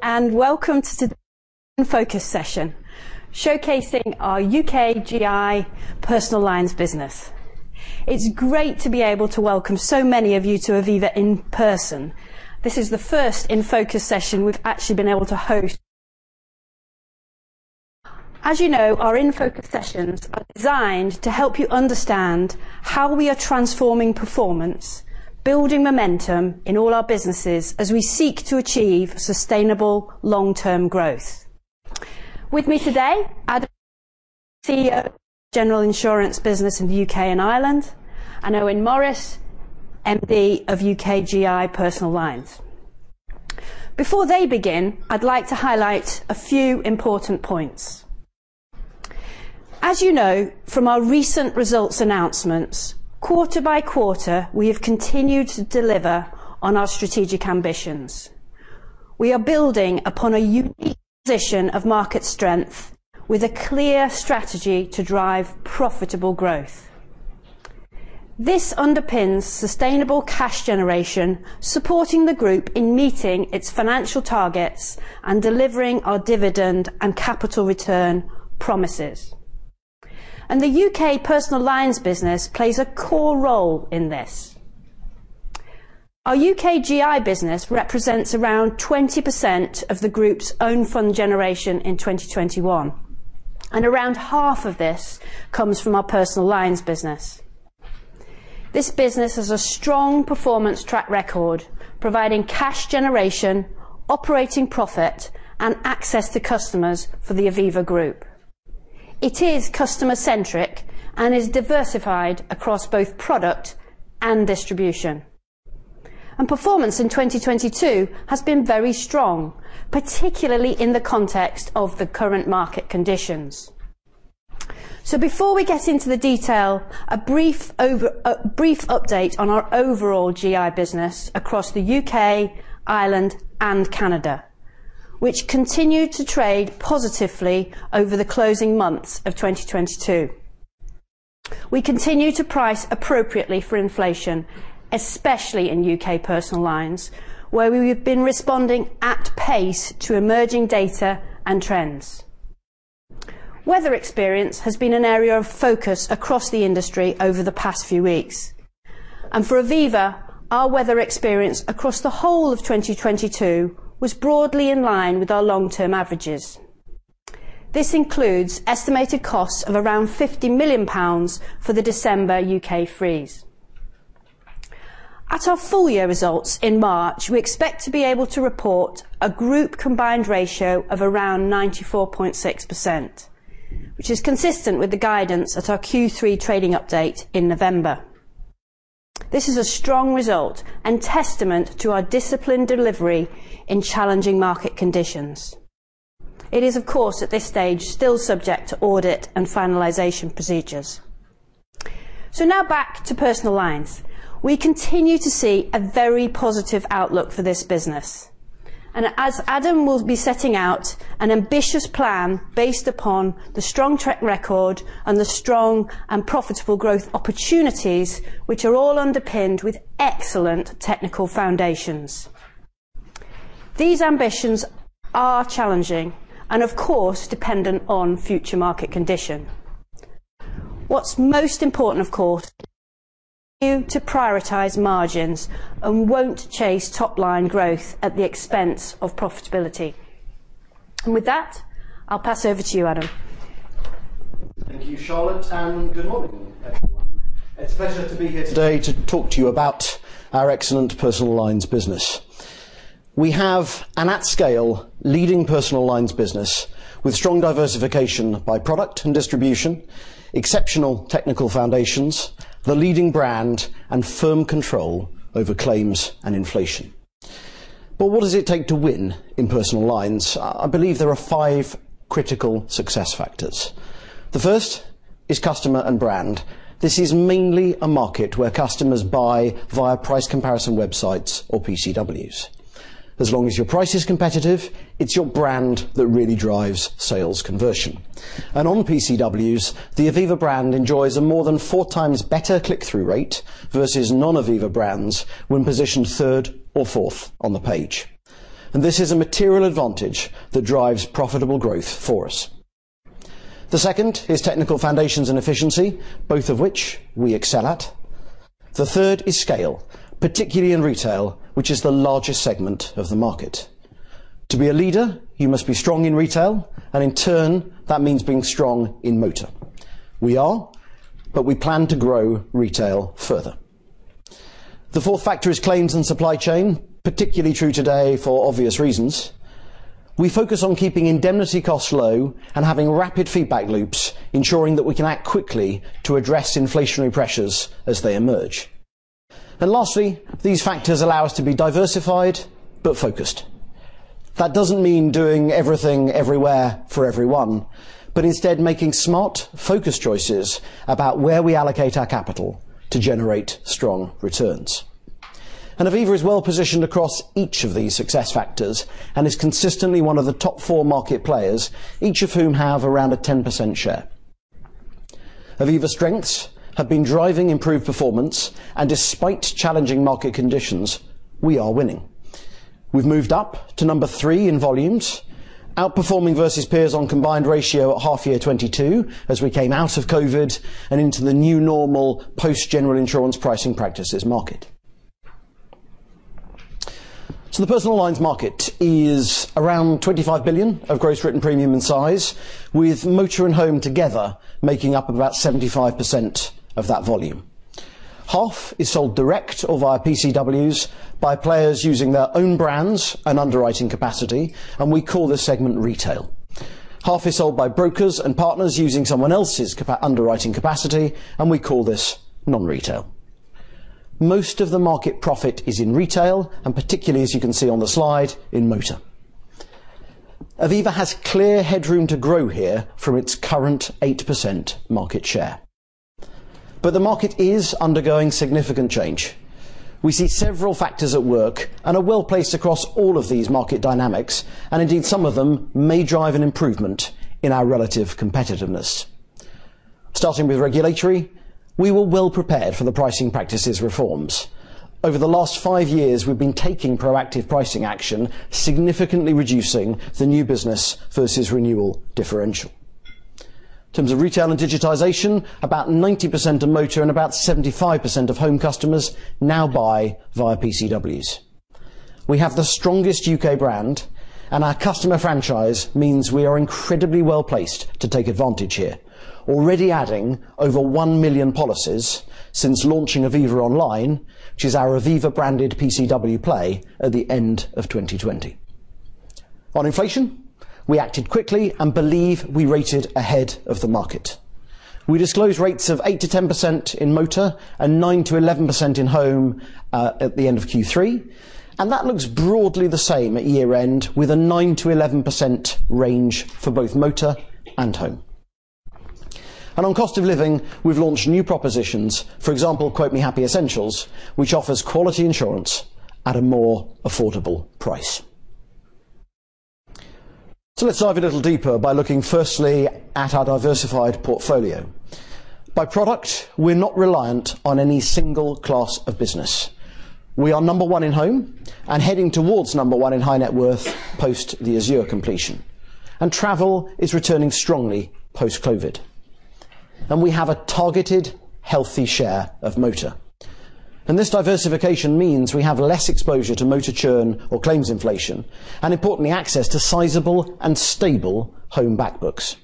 Good morning, and welcome to today's In Focus session, showcasing our UK GI Personal Lines business. It's great to be able to welcome so many of you to Aviva in person. This is the first In Focus session we've actually been able to host. As you know, our In Focus sessions are designed to help you understand how we are transforming performance, building momentum in all our businesses as we seek to achieve sustainable long-term growth. With me today, Adam Marston, CEO of General Insurance business in the UK and Ireland, and Owen Morris, MD of UK GI Personal Lines. Before they begin, I'd like to highlight a few important points. As you know from our recent results announcements, quarter by quarter, we have continued to deliver on our strategic ambitions. We are building upon a unique position of market strength with a clear strategy to drive profitable growth. This underpins sustainable cash generation, supporting the group in meeting its financial targets and delivering our dividend and capital return promises. The UK Personal Lines business plays a core role in this. Our UK GI business represents around 20% of the group's own fund generation in 2021, and around half of this comes from our Personal Lines business. This business has a strong performance track record, providing cash generation, operating profit, and access to customers for the Aviva Group. It is customer-centric and is diversified across both product and distribution. Performance in 2022 has been very strong, particularly in the context of the current market conditions. Before we get into the detail, a brief update on our overall GI business across the UK, Ireland, and Canada, which continued to trade positively over the closing months of 2022. We continue to price appropriately for inflation, especially in UK Personal Lines, where we have been responding at pace to emerging data and trends. Weather experience has been an area of focus across the industry over the past few weeks, and for Aviva, our weather experience across the whole of 2022 was broadly in line with our long-term averages. This includes estimated costs of around 50 million pounds for the December UK freeze. At our full year results in March, we expect to be able to report a group combined ratio of around 94.6%, which is consistent with the guidance at our Q3 trading update in November. This is a strong result and testament to our disciplined delivery in challenging market conditions. It is, of course, at this stage, still subject to audit and finalization procedures. So now back to Personal Lines. We continue to see a very positive outlook for this business. As Adam will be setting out an ambitious plan based upon the strong track record and the strong and profitable growth opportunities, which are all underpinned with excellent technical foundations. These ambitions are challenging and of course, dependent on future market condition. What's most important, of course, is for you to prioritize margins and won't chase top-line growth at the expense of profitability. With that, I'll pass over to you, Adam. Thank you, Charlotte, and good morning, everyone. It's a pleasure to be here today to talk to you about our excellent Personal Lines business. We have an at scale leading Personal Lines business with strong diversification by product and distribution, exceptional technical foundations, the leading brand, and firm control over claims and inflation. But what does it take to win in Personal Lines? I believe there are five critical success factors. The first is customer and brand. This is mainly a market where customers buy via price comparison websites or PCWs. As long as your price is competitive, it's your brand that really drives sales conversion. And on PCWs, the Aviva brand enjoys a more than four times better click-through rate versus non-Aviva brands when positioned third or fourth on the page. And this is a material advantage that drives profitable growth for us. The second is technical foundations and efficiency, both of which we excel at. The third is scale, particularly in retail, which is the largest segment of the market. To be a leader, you must be strong in retail, and in turn, that means being strong in motor. We are, but we plan to grow retail further. The fourth factor is claims and supply chain, particularly true today for obvious reasons. We focus on keeping indemnity costs low and having rapid feedback loops, ensuring that we can act quickly to address inflationary pressures as they emerge. And lastly, these factors allow us to be diversified but focused. That doesn't mean doing everything everywhere for everyone, but instead making smart, focused choices about where we allocate our capital to generate strong returns. Aviva is well-positioned across each of these success factors and is consistently one of the top four market players, each of whom have around a 10% share. Aviva's strengths have been driving improved performance, and despite challenging market conditions, we are winning. We've moved up to number three in volumes, outperforming versus peers on combined ratio at half year 2022, as we came out of COVID, and into the new normal post-general insurance pricing practices market. So the personal lines market is around 25 billion of gross written premium and size, with motor and home together making up about 75% of that volume. Half is sold direct or via PCWs by players using their own brands and underwriting capacity, and we call this segment retail. Half is sold by brokers and partners using someone else's underwriting capacity, and we call this non-retail. Most of the market profit is in retail, and particularly, as you can see on the slide, in motor. Aviva has clear headroom to grow here from its current 8% market share. But the market is undergoing significant change. We see several factors at work, and are well placed across all of these market dynamics, and indeed, some of them may drive an improvement in our relative competitiveness. Starting with regulatory, we were well prepared for the pricing practices reforms. Over the last five years, we've been taking proactive pricing action, significantly reducing the new business versus renewal differential. In terms of retail and digitization, about 90% of motor and about 75% of home customers now buy via PCWs. We have the strongest U.K. brand, and our customer franchise means we are incredibly well placed to take advantage here. Already adding over one million policies since launching Aviva Online, which is our Aviva-branded PCW play at the end of 2020. On inflation, we acted quickly and believe we rated ahead of the market. We disclose rates of 8%-10% in motor and 9%-11% in home at the end of Q3, and that looks broadly the same at year-end, with a 9%-11% range for both motor and home. On cost of living, we've launched new propositions, for example, Quote Me Happy Essentials, which offers quality insurance at a more affordable price. So let's dive a little deeper by looking firstly at our diversified portfolio. By product, we're not reliant on any single class of business. We are number one in home and heading towards number one in high net worth post the Azur completion. And travel is returning strongly post-COVID, and we have a targeted, healthy share of motor. And this diversification means we have less exposure to motor churn or claims inflation, and importantly, access to sizable and stable home back books.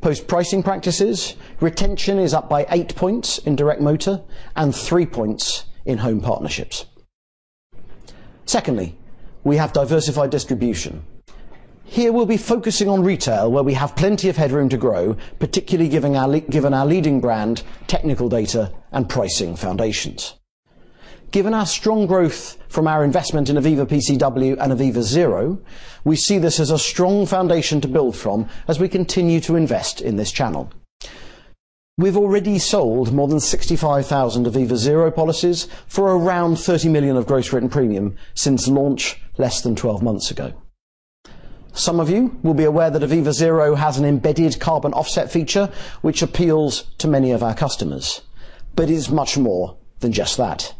Post pricing practices, retention is up by eight points in direct motor and three points in home partnerships. Secondly, we have diversified distribution. Here, we'll be focusing on retail, where we have plenty of headroom to grow, particularly given our leading brand, technical data, and pricing foundations. Given our strong growth from our investment in Aviva PCW and Aviva Zero, we see this as a strong foundation to build from as we continue to invest in this channel. We've already sold more than 65,000 Aviva Zero policies for around 30 million of gross written premium since launch less than 12 months ago. Some of you will be aware that Aviva Zero has an embedded carbon offset feature, which appeals to many of our customers, but is much more than just that.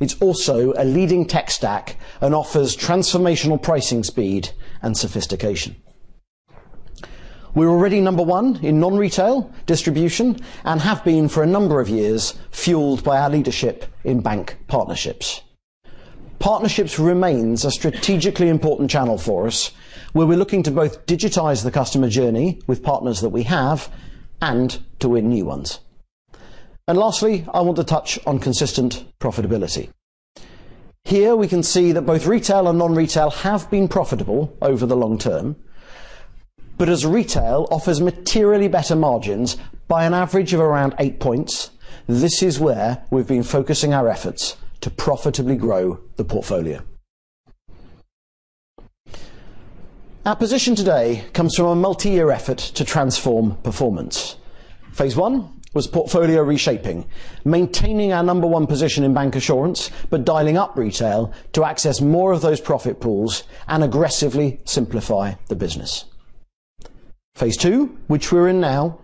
It's also a leading tech stack and offers transformational pricing, speed, and sophistication. We're already number one in non-retail distribution and have been for a number of years, fueled by our leadership in bank partnerships. Partnerships remains a strategically important channel for us, where we're looking to both digitize the customer journey with partners that we have and to win new ones. Lastly, I want to touch on consistent profitability. Here, we can see that both retail and non-retail have been profitable over the long term, but as retail offers materially better margins by an average of around eight points, this is where we've been focusing our efforts to profitably grow the portfolio. Our position today comes from a multi-year effort to transform performance. Phase I was portfolio reshaping, maintaining our number one position in bank assurance, but dialing up retail to access more of those profit pools and aggressively simplify the business. Phase II, which we're in now,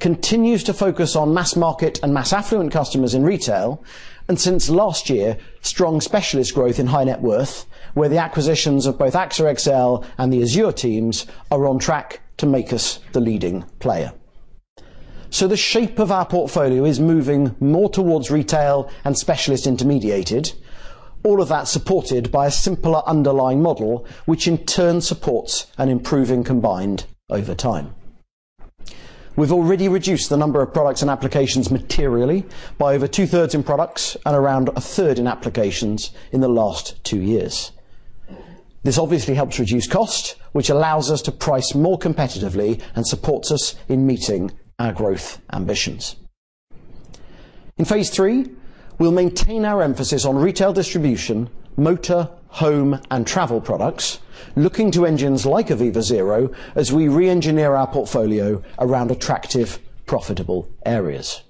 continues to focus on mass market and mass affluent customers in retail, and since last year, strong specialist growth in high net worth, where the acquisitions of both AXA XL and the Azur teams are on track to make us the leading player. So the shape of our portfolio is moving more towards retail and specialist intermediated, all of that supported by a simpler underlying model, which in turn supports an improving combined over time. We've already reduced the number of products and applications materially by over 2/3 in products and around a third in applications in the last two years. This obviously helps reduce cost, which allows us to price more competitively and supports us in meeting our growth ambitions. In phase III, we'll maintain our emphasis on retail distribution, motor, home, and travel products, looking to engines like Aviva Zero as we re-engineer our portfolio around attractive, profitable areas.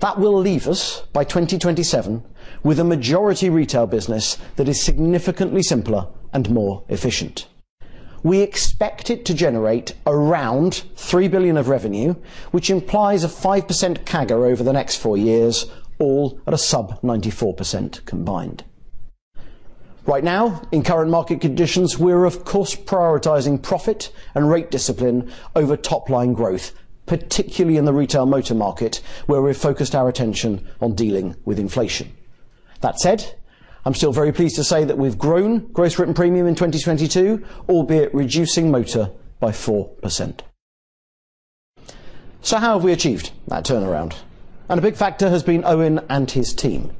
That will leave us, by 2027, with a majority retail business that is significantly simpler and more efficient. We expect it to generate around 3 billion of revenue, which implies a 5% CAGR over the next four years, all at a sub-94% combined. Right now, in current market conditions, we're of course, prioritizing profit and rate discipline over top line growth, particularly in the retail motor market, where we've focused our attention on dealing with inflation. That said, I'm still very pleased to say that we've grown Gross Written Premium in 2022, albeit reducing motor by 4%. So how have we achieved that turnaround? And a big factor has been Owen and his team.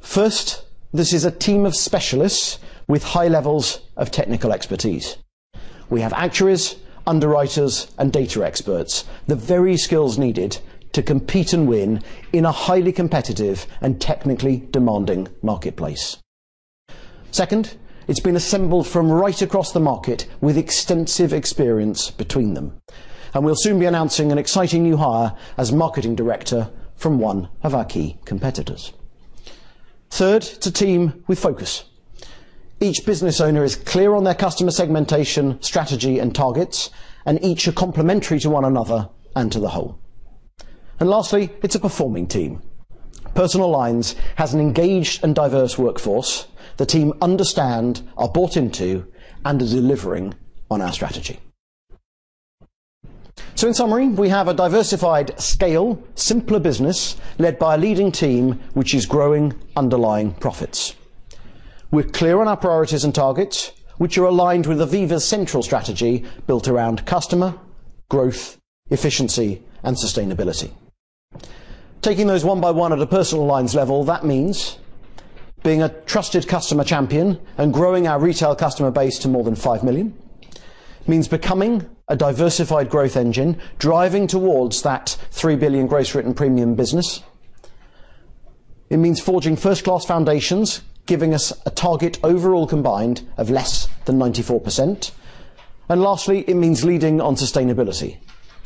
First, this is a team of specialists with high levels of technical expertise. We have actuaries, underwriters, and data experts, the very skills needed to compete and win in a highly competitive and technically demanding marketplace. Second, it's been assembled from right across the market with extensive experience between them, and we'll soon be announcing an exciting new hire as marketing director from one of our key competitors. Third, it's a team with focus. Each business owner is clear on their customer segmentation, strategy, and targets, and each are complementary to one another and to the whole. And lastly, it's a performing team. Personal lines has an engaged and diverse workforce. The team understand, are bought into, and are delivering on our strategy. So in summary, we have a diversified scale, simpler business, led by a leading team, which is growing underlying profits. We're clear on our priorities and targets, which are aligned with the Aviva central strategy, built around customer, growth, efficiency, and sustainability. Taking those one by one at a personal lines level, that means being a trusted customer champion and growing our retail customer base to more than 5 million. Means becoming a diversified growth engine, driving towards that 3 billion gross written premium business. It means forging first-class foundations, giving us a target overall combined of less than 94%. And lastly, it means leading on sustainability,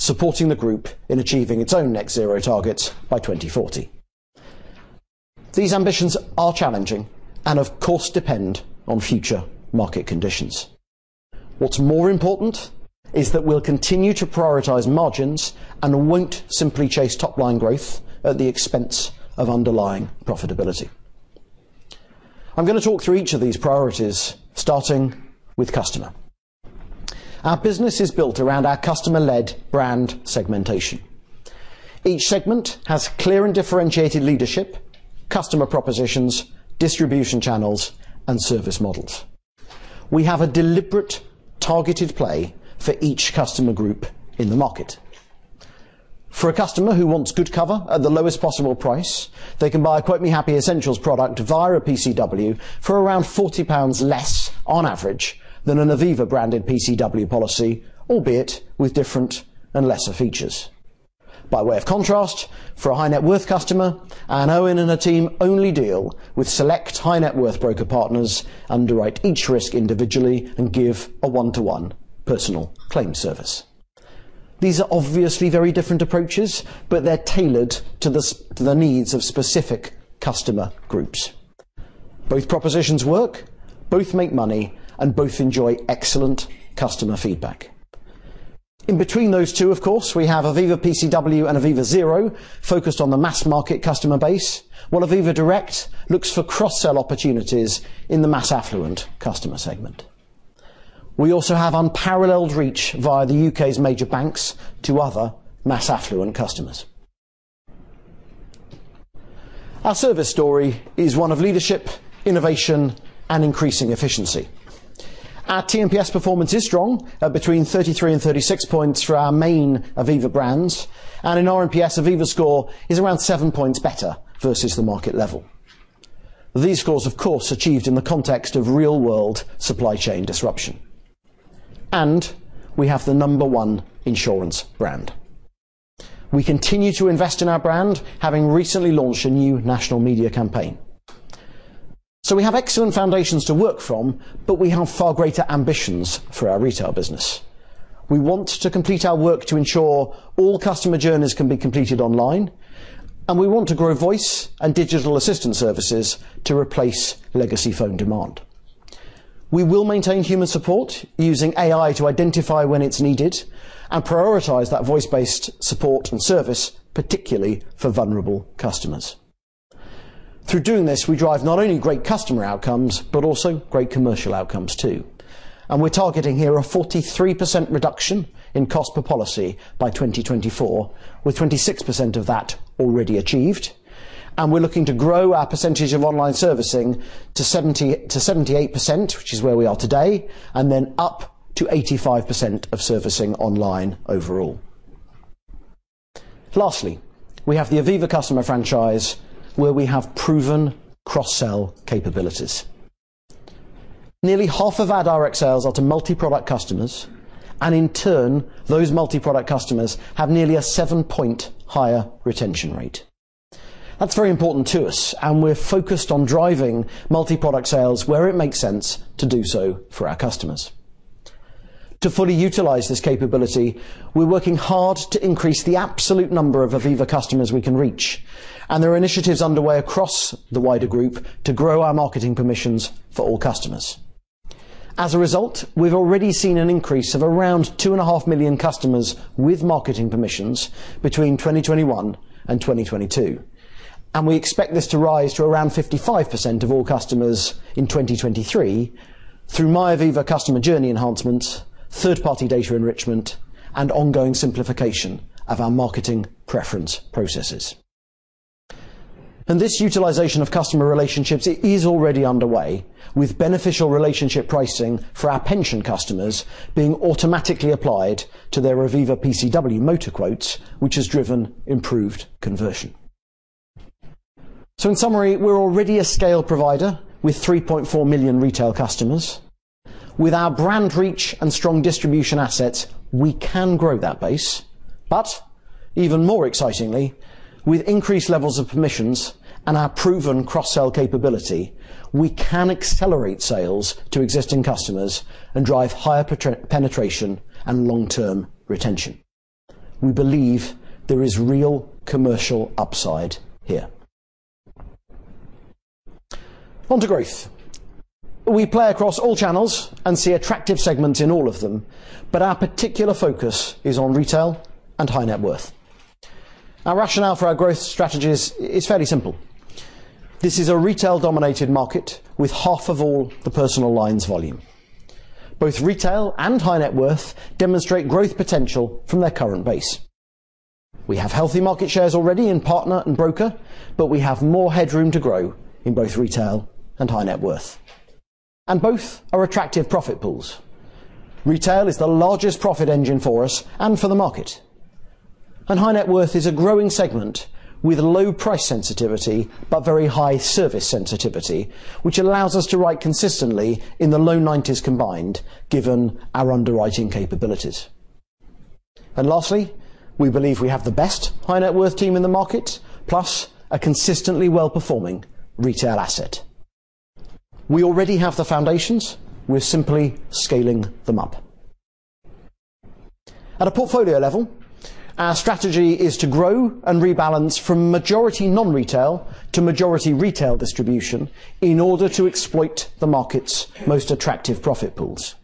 supporting the group in achieving its own net zero targets by 2040. These ambitions are challenging and, of course, depend on future market conditions. What's more important is that we'll continue to prioritize margins and won't simply chase top-line growth at the expense of underlying profitability. I'm gonna talk through each of these priorities, starting with customer. Our business is built around our customer-led brand segmentation. Each segment has clear and differentiated leadership, customer propositions, distribution channels, and service models. We have a deliberate, targeted play for each customer group in the market. For a customer who wants good cover at the lowest possible price, they can buy a Quote Me Happy Essentials product via a PCW for around 40 pounds less, on average, than an Aviva-branded PCW policy, albeit with different and lesser features. By way of contrast, for a high net worth customer, and Owen and our team only deal with select high net worth broker partners, underwrite each risk individually, and give a one-to-one personal claim service. These are obviously very different approaches, but they're tailored to the to the needs of specific customer groups. Both propositions work, both make money, and both enjoy excellent customer feedback. In between those two, of course, we have Aviva PCW and Aviva Zero, focused on the mass market customer base, while Aviva Direct looks for cross-sell opportunities in the mass affluent customer segment. We also have unparalleled reach via the U.K.'s major banks to other mass affluent customers. Our service story is one of leadership, innovation, and increasing efficiency. Our TNPS performance is strong, at between 33 and 36 points for our main Aviva brands, and in RNPS, Aviva score is around seven points better versus the market level. These scores, of course, achieved in the context of real-world supply chain disruption. We have the number one insurance brand. We continue to invest in our brand, having recently launched a new national media campaign. We have excellent foundations to work from, but we have far greater ambitions for our retail business. We want to complete our work to ensure all customer journeys can be completed online, and we want to grow voice and digital assistant services to replace legacy phone demand. We will maintain human support, using AI to identify when it's needed, and prioritize that voice-based support and service, particularly for vulnerable customers. Through doing this, we drive not only great customer outcomes, but also great commercial outcomes, too, and we're targeting here a 43% reduction in cost per policy by 2024, with 26% of that already achieved. We're looking to grow our percentage of online servicing to 78%, which is where we are today, and then up to 85% of servicing online overall. Lastly, we have the Aviva customer franchise, where we have proven cross-sell capabilities. Nearly half of our direct sales are to multi-product customers, and in turn, those multi-product customers have nearly a seven-point higher retention rate. That's very important to us, and we're focused on driving multi-product sales where it makes sense to do so for our customers.... To fully utilize this capability, we're working hard to increase the absolute number of Aviva customers we can reach, and there are initiatives underway across the wider group to grow our marketing permissions for all customers. As a result, we've already seen an increase of around 2.5 million customers with marketing permissions between 2021 and 2022, and we expect this to rise to around 55% of all customers in 2023 through myAviva customer journey enhancements, third-party data enrichment, and ongoing simplification of our marketing preference processes. This utilization of customer relationships is already underway, with beneficial relationship pricing for our pension customers being automatically applied to their Aviva PCW motor quotes, which has driven improved conversion. In summary, we're already a scale provider with 3.4 million retail customers. With our brand reach and strong distribution assets, we can grow that base. But even more excitingly, with increased levels of permissions and our proven cross-sell capability, we can accelerate sales to existing customers and drive higher penetration and long-term retention. We believe there is real commercial upside here. On to growth. We play across all channels and see attractive segments in all of them, but our particular focus is on retail and high net worth. Our rationale for our growth strategies is fairly simple. This is a retail-dominated market with half of all the personal lines volume. Both retail and high net worth demonstrate growth potential from their current base. We have healthy market shares already in partner and broker, but we have more headroom to grow in both retail and high net worth. And both are attractive profit pools. Retail is the largest profit engine for us and for the market. High net worth is a growing segment with low price sensitivity, but very high service sensitivity, which allows us to write consistently in the low nineties combined, given our underwriting capabilities. Lastly, we believe we have the best high net worth team in the market, plus a consistently well-performing retail asset. We already have the foundations. We're simply scaling them up. At a portfolio level, our strategy is to grow and rebalance from majority non-retail to majority retail distribution in order to exploit the market's most attractive profit pools.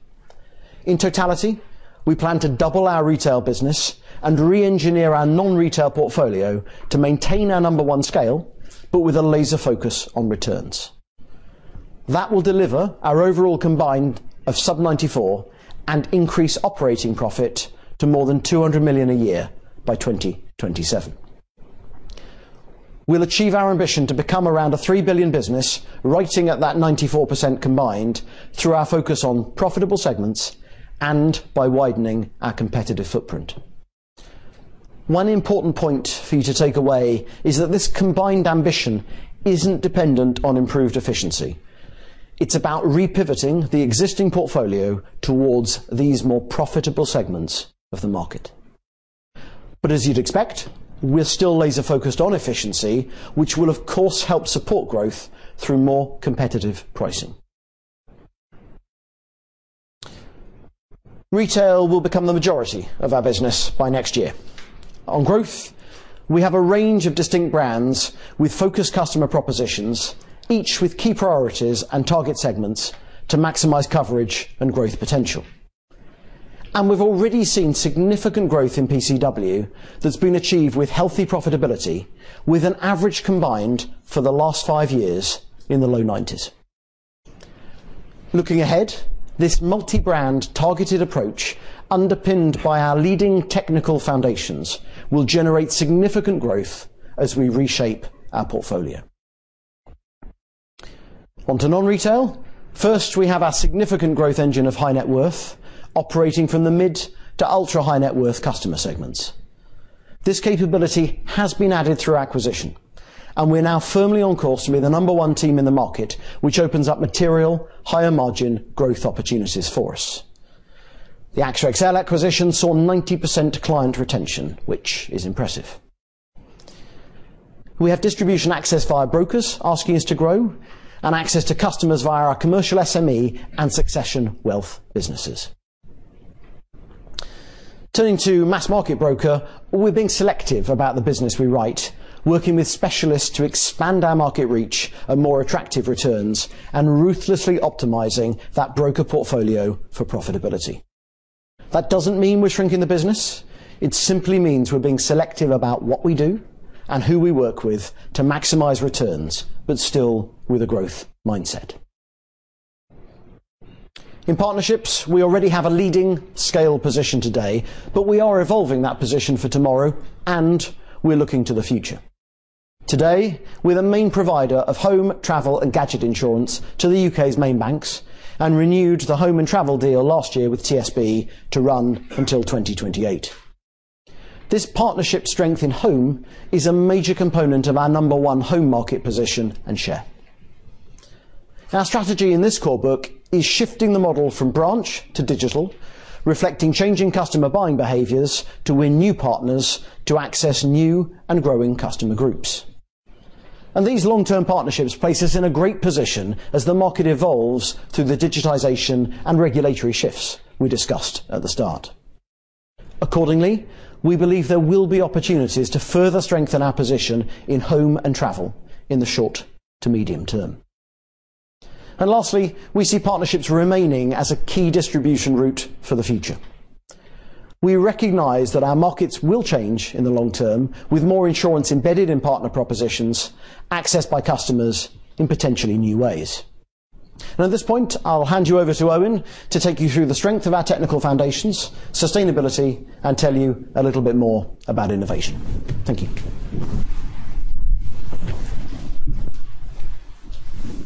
In totality, we plan to double our retail business and reengineer our non-retail portfolio to maintain our number one scale, but with a laser focus on returns. That will deliver our overall combined ratio of sub-94% and increase operating profit to more than 200 million a year by 2027. We'll achieve our ambition to become around a 3 billion business, writing at that 94% combined through our focus on profitable segments and by widening our competitive footprint. One important point for you to take away is that this combined ratio ambition isn't dependent on improved efficiency. It's about re-pivoting the existing portfolio towards these more profitable segments of the market. But as you'd expect, we're still laser focused on efficiency, which will, of course, help support growth through more competitive pricing. Retail will become the majority of our business by next year. On growth, we have a range of distinct brands with focused customer propositions, each with key priorities and target segments to maximize coverage and growth potential. We've already seen significant growth in PCW that's been achieved with healthy profitability, with an average combined for the last five years in the low 90s. Looking ahead, this multi-brand targeted approach, underpinned by our leading technical foundations, will generate significant growth as we reshape our portfolio. On to non-retail. First, we have our significant growth engine of high net worth operating from the mid to ultra-high net worth customer segments. This capability has been added through acquisition, and we're now firmly on course to be the number one team in the market, which opens up material, higher margin growth opportunities for us. The AXA XL acquisition saw 90% client retention, which is impressive. We have distribution access via brokers asking us to grow and access to customers via our commercial SME and Succession Wealth businesses. Turning to mass market broker, we're being selective about the business we write, working with specialists to expand our market reach at more attractive returns and ruthlessly optimizing that broker portfolio for profitability. That doesn't mean we're shrinking the business. It simply means we're being selective about what we do and who we work with to maximize returns, but still with a growth mindset. In partnerships, we already have a leading scale position today, but we are evolving that position for tomorrow, and we're looking to the future. Today, we're the main provider of home, travel, and gadget insurance to the UK's main banks, and renewed the home and travel deal last year with TSB to run until 2028. This partnership strength in home is a major component of our number one home market position and share. Our strategy in this core book is shifting the model from branch to digital, reflecting changing customer buying behaviors to win new partners to access new and growing customer groups... and these long-term partnerships place us in a great position as the market evolves through the digitization and regulatory shifts we discussed at the start. Accordingly, we believe there will be opportunities to further strengthen our position in home and travel in the short to medium term. Lastly, we see partnerships remaining as a key distribution route for the future. We recognize that our markets will change in the long term, with more insurance embedded in partner propositions, accessed by customers in potentially new ways. At this point, I'll hand you over to Owen to take you through the strength of our technical foundations, sustainability, and tell you a little bit more about innovation. Thank you.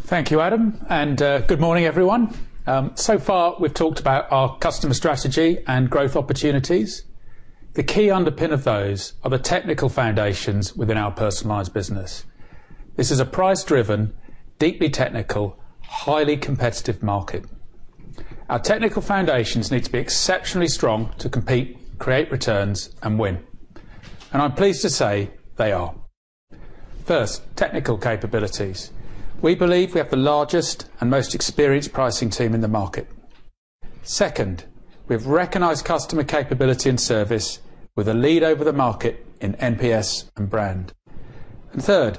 Thank you, Adam, and good morning, everyone. So far, we've talked about our customer strategy and growth opportunities. The key underpin of those are the technical foundations within our personal lines business. This is a price-driven, deeply technical, highly competitive market. Our technical foundations need to be exceptionally strong to compete, create returns, and win, and I'm pleased to say they are. First, technical capabilities. We believe we have the largest and most experienced pricing team in the market. Second, we have recognized customer capability and service with a lead over the market in NPS and brand. And third,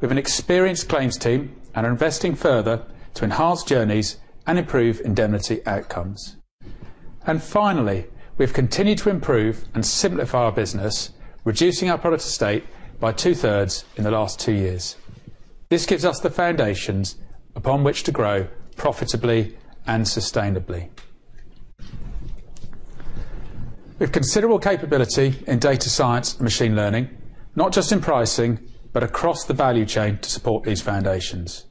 we have an experienced claims team and are investing further to enhance journeys and improve indemnity outcomes. And finally, we've continued to improve and simplify our business, reducing our product estate by two-thirds in the last two years. This gives us the foundations upon which to grow profitably and sustainably. We have considerable capability in data science and machine learning, not just in pricing, but across the value chain to support these foundations.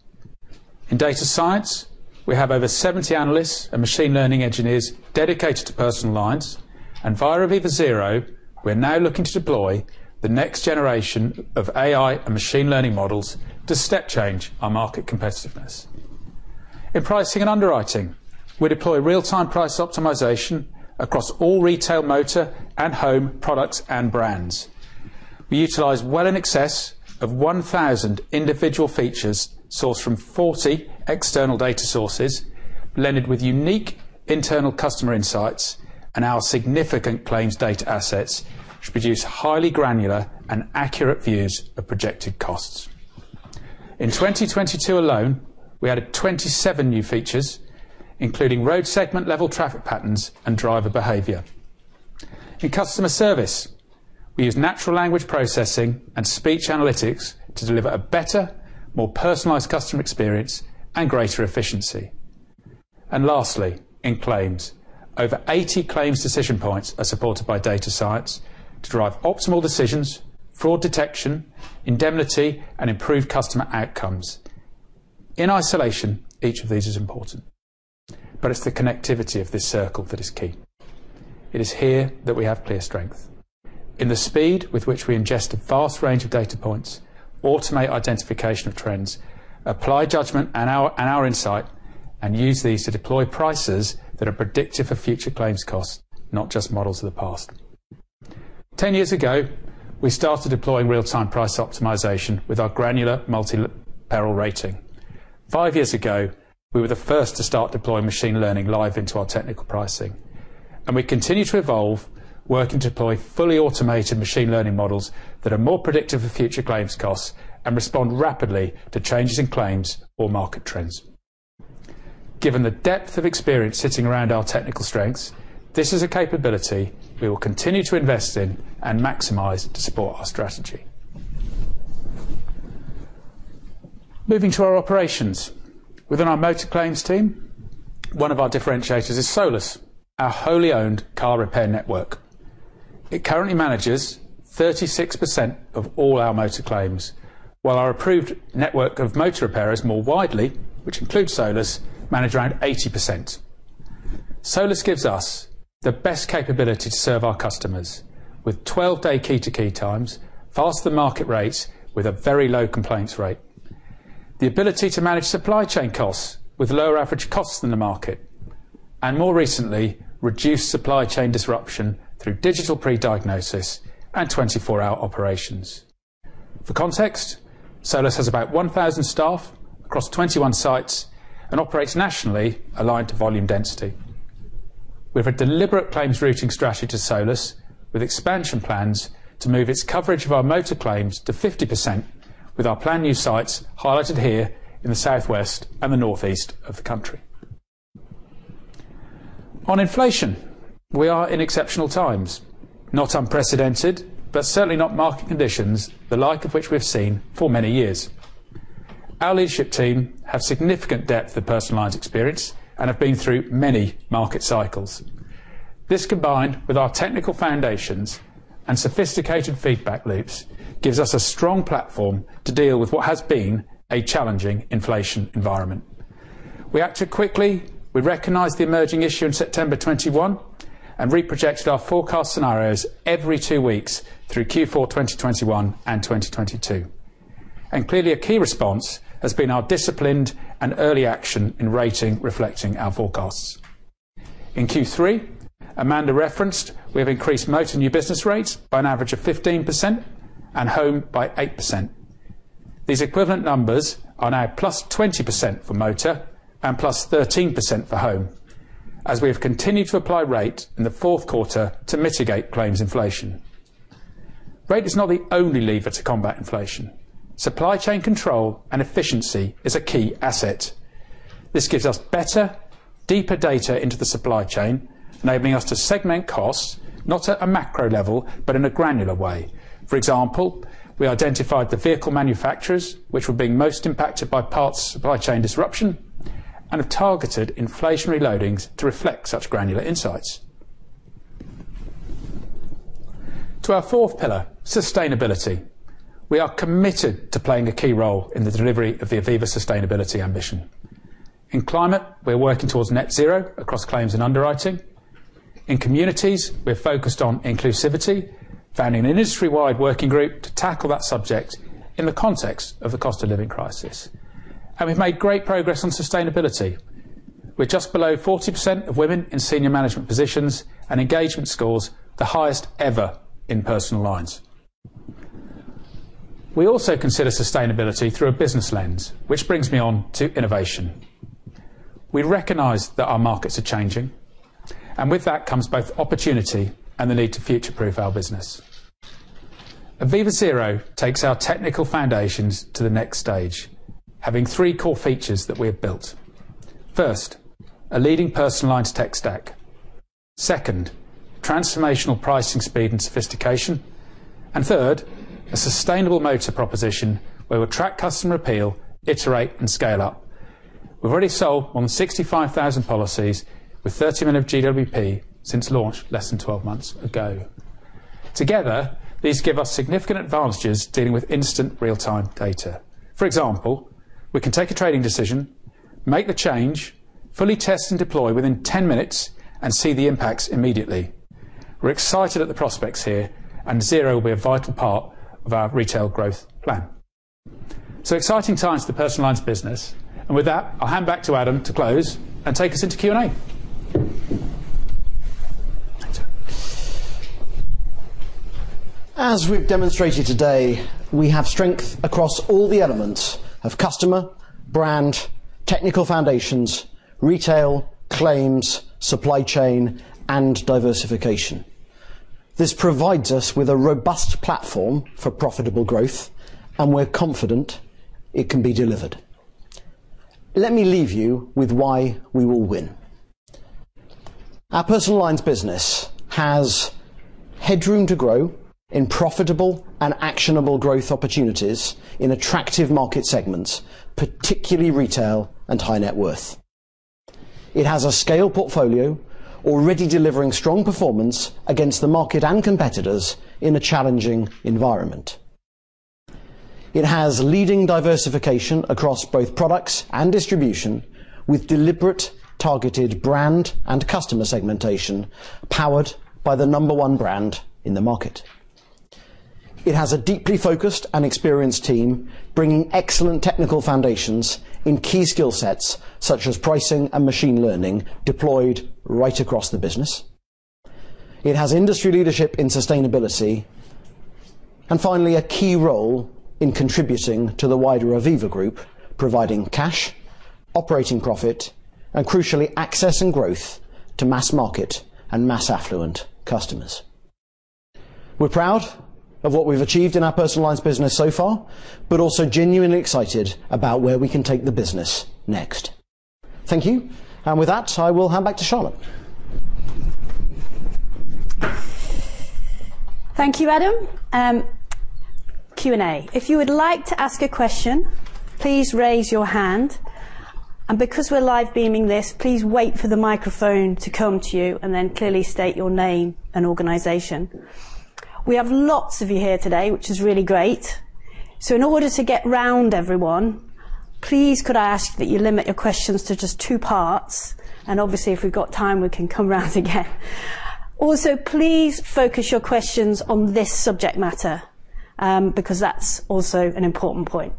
In data science, we have over 70 analysts and machine learning engineers dedicated to personal lines, and via Aviva Zero, we're now looking to deploy the next generation of AI and machine learning models to step change our market competitiveness. In pricing and underwriting, we deploy real-time price optimization across all retail, motor, and home products and brands. We utilize well in excess of 1,000 individual features sourced from 40 external data sources, blended with unique internal customer insights and our significant claims data assets, which produce highly granular and accurate views of projected costs. In 2022 alone, we added 27 new features, including road segment-level traffic patterns and driver behavior. In customer service, we use natural language processing and speech analytics to deliver a better, more personalized customer experience and greater efficiency. And lastly, in claims, over 80 claims decision points are supported by data science to drive optimal decisions, fraud detection, indemnity, and improved customer outcomes. In isolation, each of these is important, but it's the connectivity of this circle that is key. It is here that we have clear strength. In the speed with which we ingest a vast range of data points, automate identification of trends, apply judgment and our insight, and use these to deploy prices that are predictive of future claims costs, not just models of the past. 10 years ago, we started deploying real-time price optimization with our granular multi-layer peril rating. five years ago, we were the first to start deploying machine learning live into our technical pricing, and we continue to evolve, work, and deploy fully automated machine learning models that are more predictive of future claims costs and respond rapidly to changes in claims or market trends. Given the depth of experience sitting around our technical strengths, this is a capability we will continue to invest in and maximize to support our strategy. Moving to our operations. Within our motor claims team, one of our differentiators is Solus, our wholly owned car repair network. It currently manages 36% of all our motor claims, while our approved network of motor repairers more widely, which includes Solus, manage around 80%. Solus gives us the best capability to serve our customers, with 12-day key-to-key times, faster than market rates, with a very low complaints rate. The ability to manage supply chain costs with lower average costs than the market, and more recently, reduced supply chain disruption through digital pre-diagnosis and 24-hour operations. For context, Solus has about 1,000 staff across 21 sites and operates nationally aligned to volume density. We have a deliberate claims routing strategy to Solus, with expansion plans to move its coverage of our motor claims to 50%, with our planned new sites highlighted here in the Southwest and the Northeast of the country. On inflation, we are in exceptional times, not unprecedented, but certainly not market conditions, the like of which we have seen for many years. Our leadership team have significant depth of personalized experience and have been through many market cycles. This, combined with our technical foundations and sophisticated feedback loops, gives us a strong platform to deal with what has been a challenging inflation environment. We acted quickly, we recognized the emerging issue in September 2021, and reprojected our forecast scenarios every two weeks through Q4 2021 and 2022. Clearly, a key response has been our disciplined and early action in rating, reflecting our forecasts. In Q3, Amanda referenced, we have increased motor new business rates by an average of 15% and home by 8%. These equivalent numbers are now +20% for motor and +13% for home, as we have continued to apply rate in the fourth quarter to mitigate claims inflation. Rate is not the only lever to combat inflation. Supply chain control and efficiency is a key asset. This gives us better, deeper data into the supply chain, enabling us to segment costs, not at a macro level, but in a granular way. For example, we identified the vehicle manufacturers which were being most impacted by parts supply chain disruption and have targeted inflationary loadings to reflect such granular insights. To our fourth pillar, sustainability. We are committed to playing a key role in the delivery of the Aviva sustainability ambition. In climate, we're working towards net zero across claims and underwriting. In communities, we're focused on inclusivity, founding an industry-wide working group to tackle that subject in the context of the cost of living crisis. And we've made great progress on sustainability. We're just below 40% of women in senior management positions and engagement scores, the highest ever in Personal Lines. We also consider sustainability through a business lens, which brings me on to innovation. We recognize that our markets are changing, and with that comes both opportunity and the need to future-proof our business. Aviva Zero takes our technical foundations to the next stage, having three core features that we have built. First, a leading personal lines tech stack. Second, transformational pricing, speed, and sophistication. And third, a sustainable motor proposition, where we track customer appeal, iterate, and scale up. We've already sold more than 65,000 policies with 30 million of GWP since launch less than 12 months ago. Together, these give us significant advantages dealing with instant real-time data. For example, we can take a trading decision, make the change, fully test and deploy within 10 minutes, and see the impacts immediately. We're excited at the prospects here, and Zero will be a vital part of our retail growth plan. So exciting times for the personal lines business, and with that, I'll hand back to Adam to close and take us into Q&A. As we've demonstrated today, we have strength across all the elements of customer, brand, technical foundations, retail, claims, supply chain, and diversification. This provides us with a robust platform for profitable growth, and we're confident it can be delivered. Let me leave you with why we will win. Our personal lines business has headroom to grow in profitable and actionable growth opportunities in attractive market segments, particularly retail and high net worth. It has a scale portfolio already delivering strong performance against the market and competitors in a challenging environment. It has leading diversification across both products and distribution, with deliberate, targeted brand and customer segmentation, powered by the number one brand in the market. It has a deeply focused and experienced team, bringing excellent technical foundations in key skill sets such as pricing and machine learning, deployed right across the business. It has industry leadership in sustainability, and finally, a key role in contributing to the wider Aviva Group, providing cash, operating profit, and crucially, access and growth to mass market and mass affluent customers. We're proud of what we've achieved in our personal lines business so far, but also genuinely excited about where we can take the business next. Thank you. With that, I will hand back to Charlotte. Thank you, Adam. Q&A. If you would like to ask a question, please raise your hand. And because we're live beaming this, please wait for the microphone to come to you and then clearly state your name and organization. We have lots of you here today, which is really great. So in order to get round everyone, please could I ask that you limit your questions to just two parts, and obviously, if we've got time, we can come round again. Also, please focus your questions on this subject matter, because that's also an important point.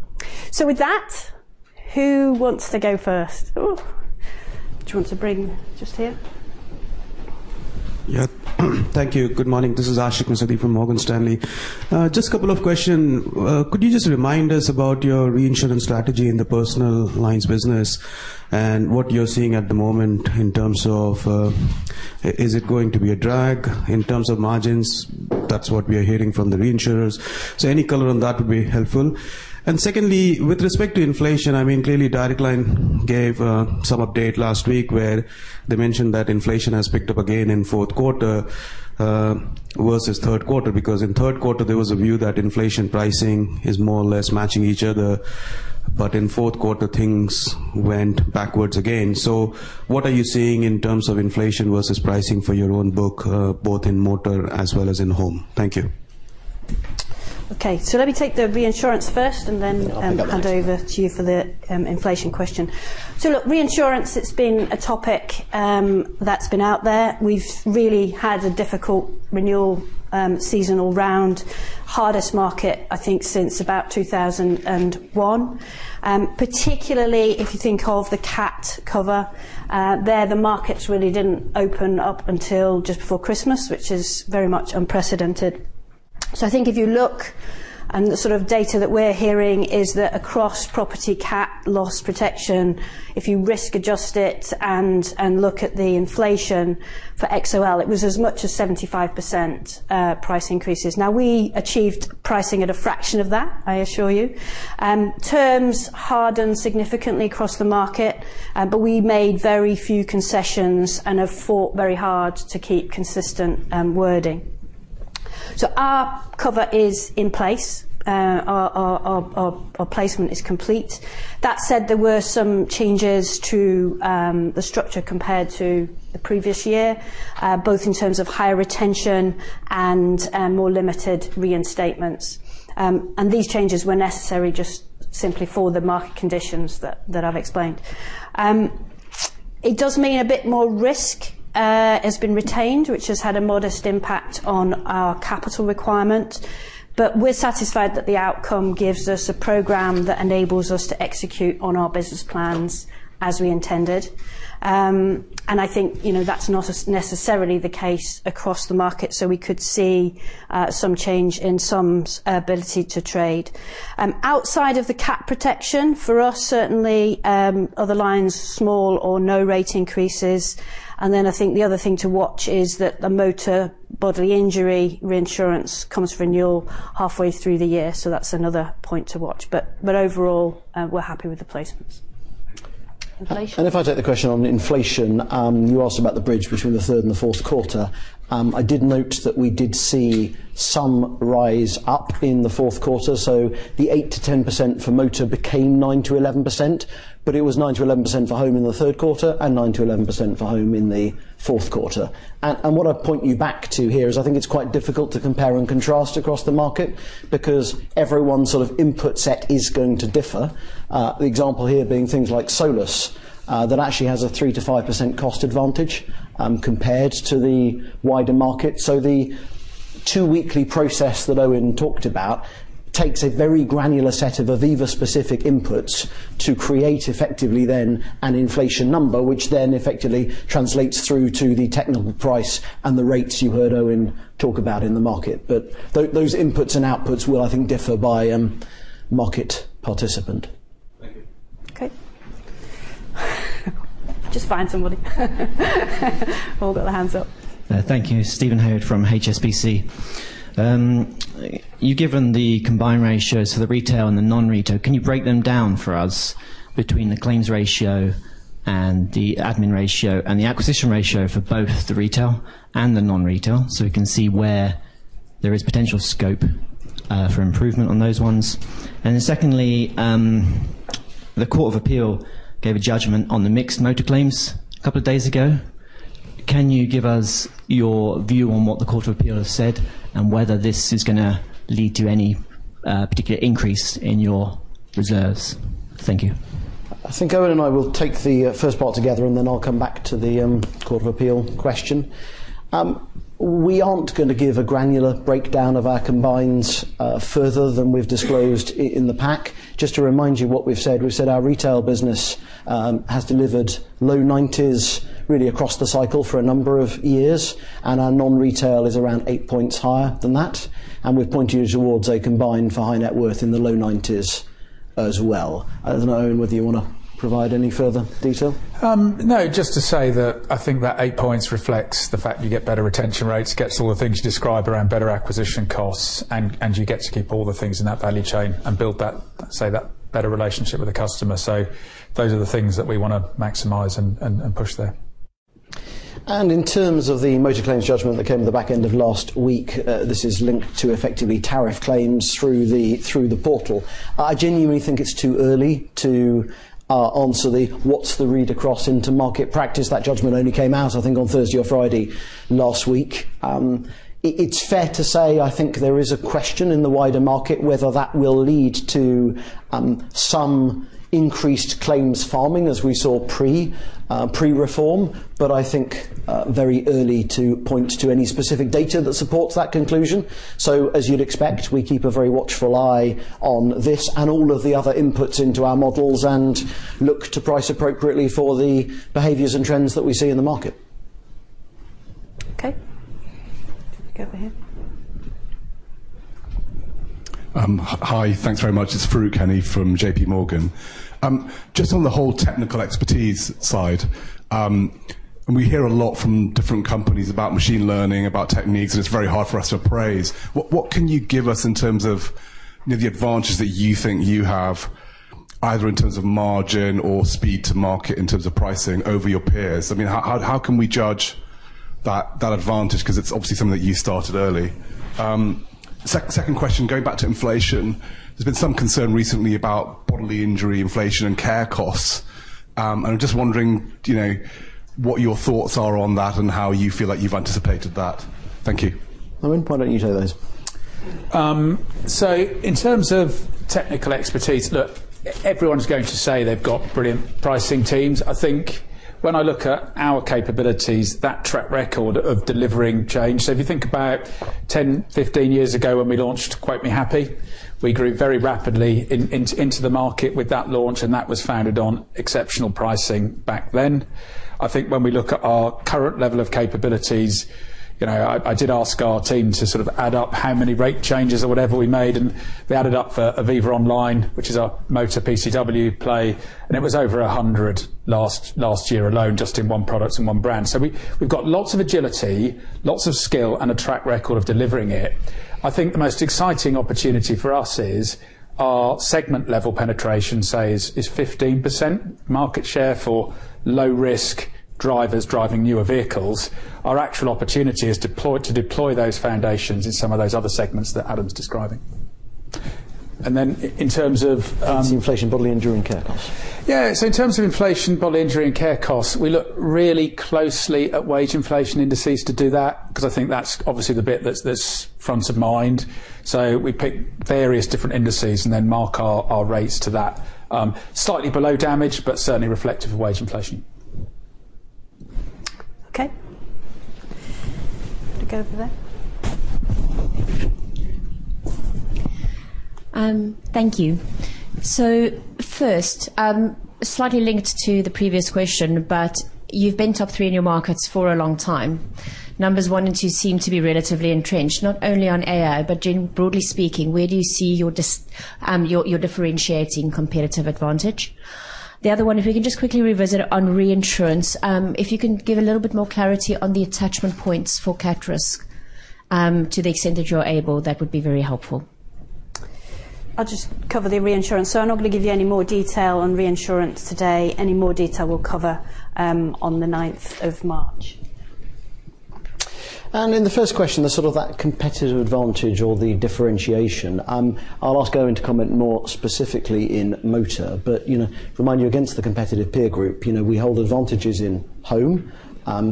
So with that, who wants to go first? Ooh! Do you want to bring just here? Yeah. Thank you. Good morning. This is Ashik Musaddi from Morgan Stanley. Just a couple of question. Could you just remind us about your reinsurance strategy in the personal lines business and what you're seeing at the moment in terms of... Is it going to be a drag in terms of margins? That's what we are hearing from the reinsurers. So any color on that would be helpful. And secondly, with respect to inflation, I mean, clearly, Direct Line gave some update last week, where they mentioned that inflation has picked up again in fourth quarter versus third quarter. Because in third quarter, there was a view that inflation pricing is more or less matching each other, but in fourth quarter, things went backwards again. So what are you seeing in terms of inflation versus pricing for your own book, both in motor as well as in home? Thank you. Okay, so let me take the reinsurance first and then- I'll take that one.... hand over to you for the inflation question. So look, reinsurance, it's been a topic that's been out there. We've really had a difficult renewal seasonal round, hardest market, I think, since about 2001. Particularly if you think of the cat cover there, the markets really didn't open up until just before Christmas, which is very much unprecedented. So I think if you look, and the sort of data that we're hearing is that across property cat loss protection, if you risk adjust it and look at the inflation for XOL, it was as much as 75% price increases. Now, we achieved pricing at a fraction of that, I assure you. Terms hardened significantly across the market, but we made very few concessions and have fought very hard to keep consistent wording. So our cover is in place. Our placement is complete. That said, there were some changes to the structure compared to the previous year, both in terms of higher retention and more limited reinstatements. These changes were necessary just simply for the market conditions that I've explained. It does mean a bit more risk has been retained, which has had a modest impact on our capital requirement, but we're satisfied that the outcome gives us a program that enables us to execute on our business plans as we intended. I think, you know, that's not necessarily the case across the market, so we could see some change in some's ability to trade. Outside of the cat cover, for us, certainly, other lines, small or no rate increases. And then I think the other thing to watch is that the motor bodily injury reinsurance comes renewal halfway through the year, so that's another point to watch. But overall, we're happy with the placements. Inflation? And if I take the question on inflation, you asked about the bridge between the third and the fourth quarter. I did note that we did see some rise up in the fourth quarter, so the 8%-10% for motor became 9%-11%, but it was 9%-11% for home in the third quarter and 9%-11% for home in the fourth quarter. And what I'd point you back to here is I think it's quite difficult to compare and contrast across the market because everyone's sort of input set is going to differ. The example here being things like Solus that actually has a 3%-5% cost advantage compared to the wider market. So the two weekly process that Owen talked about takes a very granular set of Aviva specific inputs to create effectively then an inflation number, which then effectively translates through to the technical price and the rates you heard Owen talk about in the market. But those inputs and outputs will, I think, differ by market participant. Thank you. Okay. Just find somebody. All got their hands up. Thank you. Stephen Howard from HSBC. You've given the combined ratios for the retail and the non-retail. Can you break them down for us between the claims ratio and the admin ratio and the acquisition ratio for both the retail and the non-retail, so we can see where there is potential scope for improvement on those ones? And then secondly, the Court of Appeal gave a judgment on the mixed motor claims a couple of days ago. Can you give us your view on what the Court of Appeal has said and whether this is gonna lead to any particular increase in your reserves? Thank you. I think Owen and I will take the first part together, and then I'll come back to the Court of Appeal question. We aren't going to give a granular breakdown of our combined ratios further than we've disclosed in the pack. Just to remind you what we've said, we've said our retail business has delivered low nineties, really across the cycle for a number of years, and our non-retail is around eight points higher than that, and we've pointed you towards a combined ratio for high net worth in the low nineties as well. I don't know, Owen, whether you wanna provide any further detail. No, just to say that I think that eight points reflects the fact you get better retention rates, gets all the things you described around better acquisition costs, and, and you get to keep all the things in that value chain and build that, say, that better relationship with the customer. So those are the things that we wanna maximize and, and, and push there. In terms of the motor claims judgment that came at the back end of last week, this is linked to effectively tariff claims through the, through the portal. I genuinely think it's too early to answer the, what's the read across into market practice. That judgment only came out, I think, on Thursday or Friday last week. It's fair to say, I think there is a question in the wider market whether that will lead to some increased claims farming as we saw pre, pre-reform, but I think very early to point to any specific data that supports that conclusion. So as you'd expect, we keep a very watchful eye on this and all of the other inputs into our models and look to price appropriately for the behaviors and trends that we see in the market. Okay. Go over here. Hi, thanks very much. It's Farooq Hanif from J.P. Morgan. Just on the whole technical expertise side, we hear a lot from different companies about machine learning, about techniques, and it's very hard for us to appraise. What can you give us in terms of, you know, the advantage that you think you have, either in terms of margin or speed to market, in terms of pricing over your peers? I mean, how can we judge that advantage? 'Cause it's obviously something that you started early. Second question, going back to inflation, there's been some concern recently about bodily injury inflation, and care costs. I'm just wondering, do you know what your thoughts are on that and how you feel like you've anticipated that? Thank you.... Owen, why don't you take those? So in terms of technical expertise, look, everyone's going to say they've got brilliant pricing teams. I think when I look at our capabilities, that track record of delivering change. So if you think about 10, 15 years ago when we launched Quote Me Happy, we grew very rapidly into the market with that launch, and that was founded on exceptional pricing back then. I think when we look at our current level of capabilities, you know, I did ask our team to sort of add up how many rate changes or whatever we made, and they added up for Aviva Online, which is our motor PCW play, and it was over 100 last year alone, just in one product and one brand. So we've got lots of agility, lots of skill, and a track record of delivering it. I think the most exciting opportunity for us is our segment-level penetration, say, is 15%. Market share for low-risk drivers driving newer vehicles, our actual opportunity is to deploy those foundations in some of those other segments that Adam's describing. And then in terms of, It's the inflation, bodily injury, and care costs. Yeah, so in terms of inflation, bodily injury, and care costs, we look really closely at wage inflation indices to do that, 'cause I think that's obviously the bit that's front of mind. So we pick various different indices and then mark our rates to that. Slightly below damage, but certainly reflective of wage inflation. Okay. We go over there. Thank you. So first, slightly linked to the previous question, but you've been top three in your markets for a long time. Numbers one and two seem to be relatively entrenched, not only on AI, but generally, broadly speaking, where do you see your dis- your, your differentiating competitive advantage? The other one, if you can just quickly revisit on reinsurance. If you can give a little bit more clarity on the attachment points for cat risk, to the extent that you're able, that would be very helpful. I'll just cover the reinsurance. So I'm not going to give you any more detail on reinsurance today. Any more detail we'll cover on the ninth of March. In the first question, the sort of that competitive advantage or the differentiation, I'll ask Owen to comment more specifically in motor, but, you know, remind you, against the competitive peer group, you know, we hold advantages in home,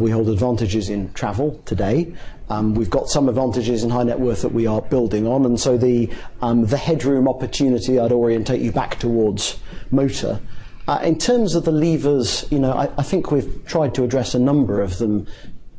we hold advantages in travel today, we've got some advantages in high net worth that we are building on, and so the, the headroom opportunity, I'd orientate you back towards motor. In terms of the levers, you know, I, I think we've tried to address a number of them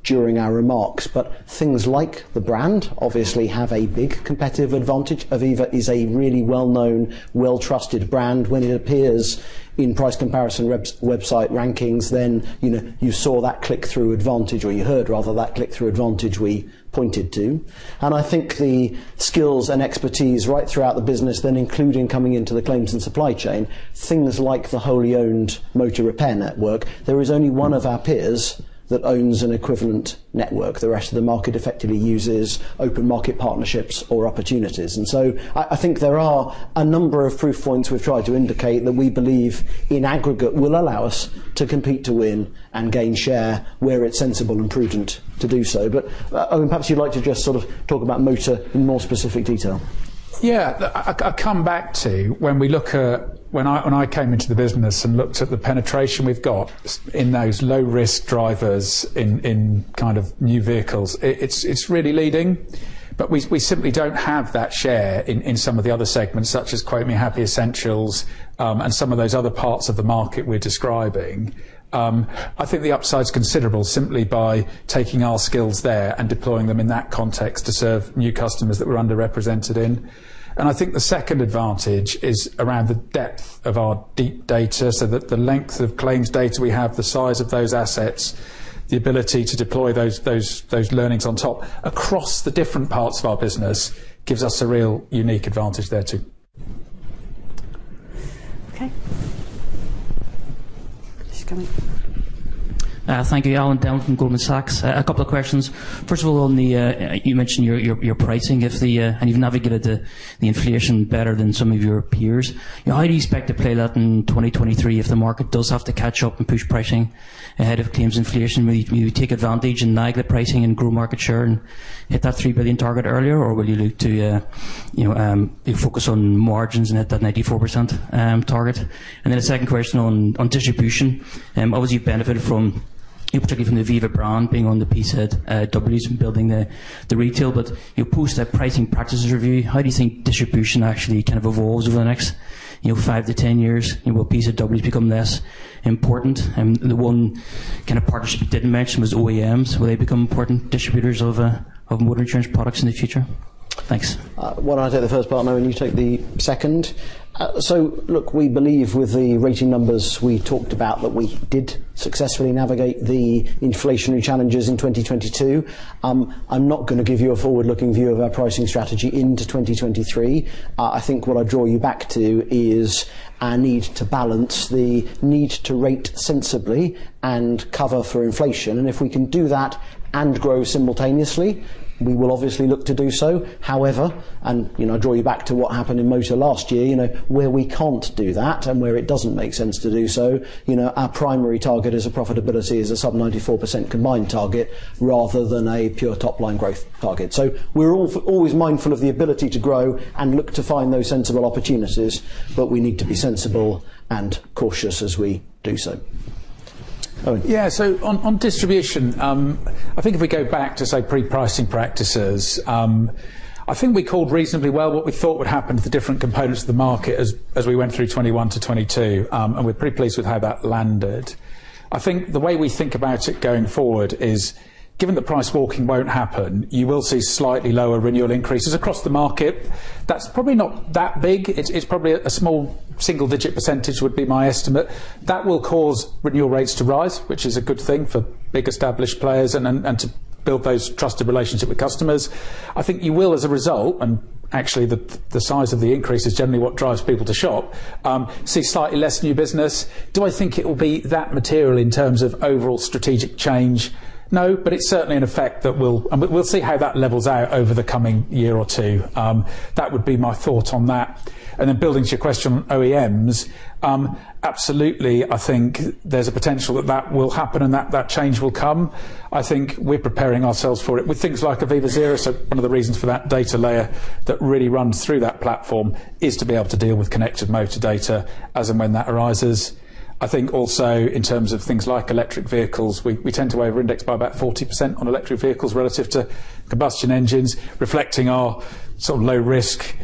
during our remarks, but things like the brand obviously have a big competitive advantage. Aviva is a really well-known, well-trusted brand. When it appears in price comparison website rankings, then, you know, you saw that click-through advantage, or you heard, rather, that click-through advantage we pointed to. I think the skills and expertise right throughout the business, then including coming into the claims and supply chain, things like the wholly owned motor repair network, there is only one of our peers that owns an equivalent network. The rest of the market effectively uses open market partnerships or opportunities. And so I, I think there are a number of proof points we've tried to indicate that we believe in aggregate will allow us to compete to win and gain share where it's sensible and prudent to do so. But, Owen, perhaps you'd like to just sort of talk about motor in more specific detail. Yeah. I come back to when we look at... When I came into the business and looked at the penetration we've got in those low-risk drivers in kind of new vehicles, it's really leading, but we simply don't have that share in some of the other segments, such as Quote Me Happy Essentials, and some of those other parts of the market we're describing. I think the upside is considerable simply by taking our skills there and deploying them in that context to serve new customers that we're underrepresented in. I think the second advantage is around the depth of our deep data, so that the length of claims data we have, the size of those assets, the ability to deploy those learnings on top across the different parts of our business, gives us a real unique advantage there, too. Okay. Just coming. Thank you, Owen. Darragh Quinn from Goldman Sachs. A couple of questions. First of all, on the, you mentioned your pricing, if the-- and you've navigated the inflation better than some of your peers. How do you expect to play that in 2023 if the market does have to catch up and push pricing ahead of claims inflation? Will you take advantage and lag the pricing and grow market share and hit that 3 billion target earlier, or will you look to, you know, focus on margins and hit that 94% target? And then the second question on distribution. Obviously, you've benefited from, particularly from the Aviva brand being on the PCWs and building the retail, but post that pricing practices review, how do you think distribution actually kind of evolves over the next, you know, five to 10 years? You know, will PCWs become less important? The one kind of partnership you didn't mention was OEMs. Will they become important distributors of of motor insurance products in the future? Thanks. Why don't I take the first part, Owen, and you take the second? So look, we believe with the rating numbers we talked about that we did successfully navigate the inflationary challenges in 2022. I'm not going to give you a forward-looking view of our pricing strategy into 2023. I think what I'd draw you back to is our need to balance the need to rate sensibly and cover for inflation. And if we can do that and grow simultaneously, we will obviously look to do so. However, and, you know, I draw you back to what happened in motor last year, you know, where we can't do that and where it doesn't make sense to do so, you know, our primary target is a profitability, is a sub-94% combined target, rather than a pure top-line growth target. So we're always mindful of the ability to grow and look to find those sensible opportunities, but we need to be sensible and cautious as we do so. ... Yeah, so on distribution, I think if we go back to, say, pre-pricing practices, I think we called reasonably well what we thought would happen to the different components of the market as we went through 2021 to 2022. We're pretty pleased with how that landed. I think the way we think about it going forward is, given that price walking won't happen, you will see slightly lower renewal increases across the market. That's probably not that big. It's probably a small single-digit percentage, would be my estimate. That will cause renewal rates to rise, which is a good thing for big, established players and to build those trusted relationship with customers. I think you will, as a result, and actually, the size of the increase is generally what drives people to shop, see slightly less new business. Do I think it will be that material in terms of overall strategic change? No, but it's certainly an effect that we'll... we'll see how that levels out over the coming year or two. That would be my thought on that. And then building to your question on OEMs, absolutely, I think there's a potential that that will happen, and that, that change will come. I think we're preparing ourselves for it with things like Aviva Zero. So one of the reasons for that data layer that really runs through that platform is to be able to deal with connected motor data as and when that arises. I think also in terms of things like electric vehicles, we, we tend to overindex by about 40% on electric vehicles relative to combustion engines, reflecting our sort of low risk,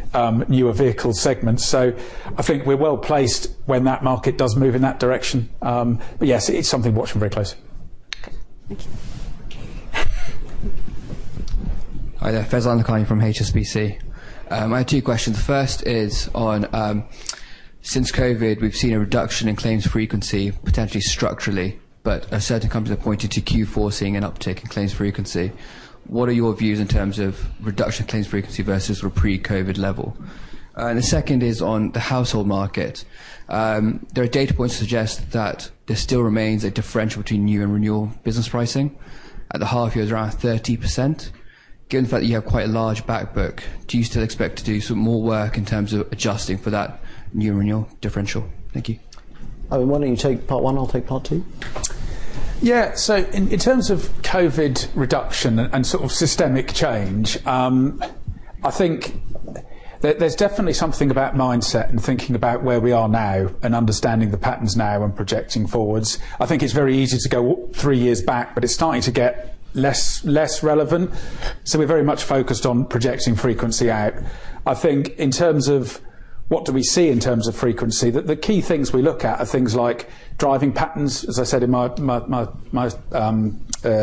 newer vehicle segments. So I think we're well placed when that market does move in that direction. But yes, it's something we're watching very closely. Thank you. Hi there, Faizan Lakhani from HSBC. I have two questions. The first is on, since COVID, we've seen a reduction in claims frequency, potentially structurally, but a certain company pointed to Q4 seeing an uptick in claims frequency. What are your views in terms of reduction in claims frequency versus your pre-COVID level? And the second is on the household market. There are data points that suggest that there still remains a differential between new and renewal business pricing. At the half year, it was around 30%. Given the fact that you have quite a large back book, do you still expect to do some more work in terms of adjusting for that new renewal differential? Thank you. Owen, why don't you take part one, I'll take part two. Yeah. So in terms of COVID reduction and sort of systemic change, I think there's definitely something about mindset and thinking about where we are now and understanding the patterns now and projecting forwards. I think it's very easy to go three years back, but it's starting to get less relevant. So we're very much focused on projecting frequency out. I think in terms of what do we see in terms of frequency, the key things we look at are things like driving patterns, as I said in my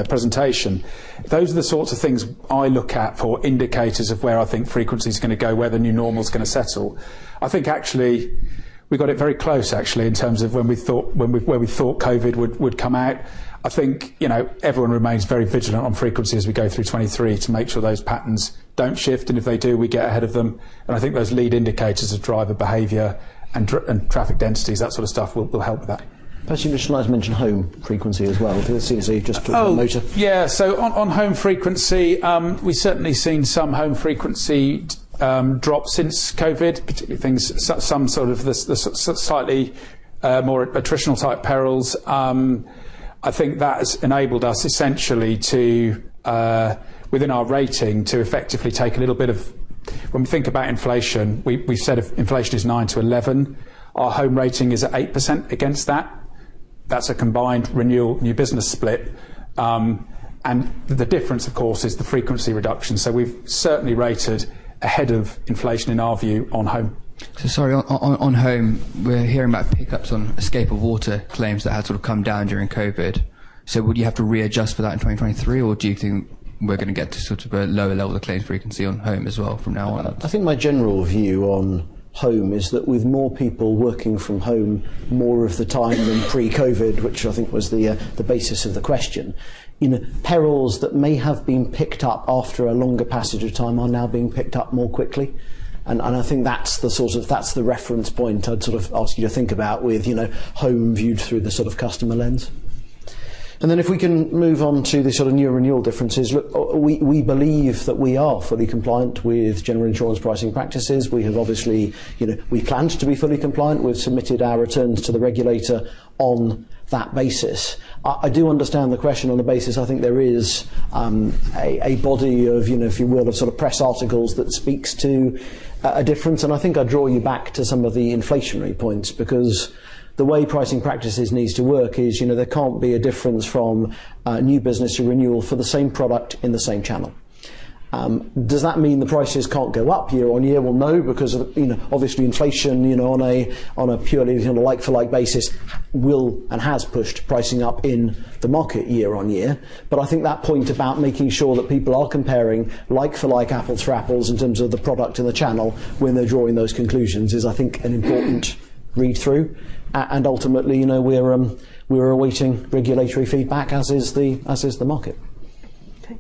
presentation. Those are the sorts of things I look at for indicators of where I think frequency is gonna go, where the new normal is gonna settle. I think actually we got it very close, actually, in terms of when we thought, when we, where we thought COVID would come out. I think, you know, everyone remains very vigilant on frequency as we go through 2023 to make sure those patterns don't shift, and if they do, we get ahead of them. And I think those lead indicators of driver behavior and traffic densities, that sort of stuff, will help with that. Plus, you just might as well mention home frequency as well, because as you just talked about motor. Oh, yeah. So on home frequency, we've certainly seen some home frequency drop since COVID, particularly things. Some sort of the slightly more attritional type perils. I think that has enabled us essentially to within our rating, to effectively take a little bit of. When we think about inflation, we said if inflation is 9%-11%, our home rating is at 8% against that. That's a combined renewal new business split. And the difference, of course, is the frequency reduction. So we've certainly rated ahead of inflation, in our view, on home. So sorry, on home, we're hearing about pick ups on escape of water claims that had sort of come down during COVID. So would you have to readjust for that in 2023, or do you think we're gonna get to sort of a lower level of claims frequency on home as well from now on? I think my general view on home is that with more people working from home more of the time than pre-COVID, which I think was the, the basis of the question, you know, perils that may have been picked up after a longer passage of time are now being picked up more quickly. And I think that's the sort of- that's the reference point I'd sort of ask you to think about with, you know, home viewed through the sort of customer lens. And then if we can move on to the sort of new renewal differences, we believe that we are fully compliant with general insurance pricing practices. We have obviously... You know, we plan to be fully compliant. We've submitted our returns to the regulator on that basis. I do understand the question on the basis. I think there is, a, a body of, you know, if you will, the sort of press articles that speaks to a, a difference, and I think I'd draw you back to some of the inflationary points, because the way pricing practices needs to work is, you know, there can't be a difference from, new business to renewal for the same product in the same channel. Does that mean the prices can't go up year on year? Well, no, because, you know, obviously inflation, you know, on a, on a purely like for like basis, will and has pushed pricing up in the market year on year. But I think that point about making sure that people are comparing like for like, apples for apples, in terms of the product and the channel when they're drawing those conclusions, is, I think, an important read-through. Ultimately, you know, we're awaiting regulatory feedback, as is the market. Okay.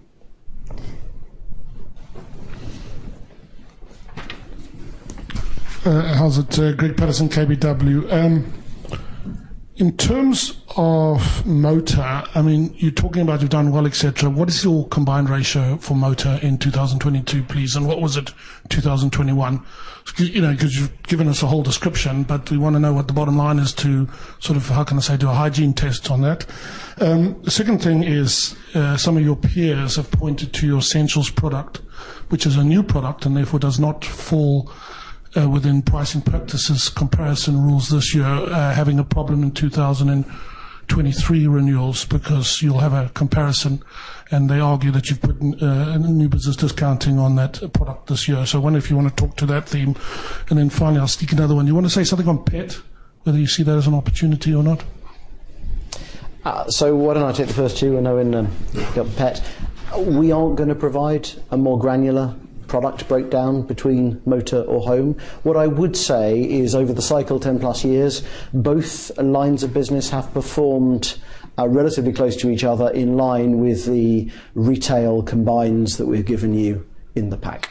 Howzit? Greig Paterson, KBW. In terms of motor, I mean, you're talking about you've done well, et cetera. What is your combined ratio for motor in 2022, please? And what was it in 2021? You know, 'cause you've given us a whole description, but we wanna know what the bottom line is to sort of, how can I say, do a hygiene test on that. The second thing is, some of your peers have pointed to your Essentials product, which is a new product and therefore does not fall within pricing practices, comparison rules this year, having a problem in 2023 renewals because you'll have a comparison, and they argue that you've put in a new business discounting on that product this year. So I wonder if you want to talk to that theme. Finally, I'll stick another one. Do you want to say something on pet, whether you see that as an opportunity or not? So why don't I take the first two, and Owen, you've got pet. We aren't going to provide a more granular product breakdown between motor or home. What I would say is, over the cycle, 10+ years, both lines of business have performed relatively close to each other, in line with the retail combined ratios that we've given you in the pack.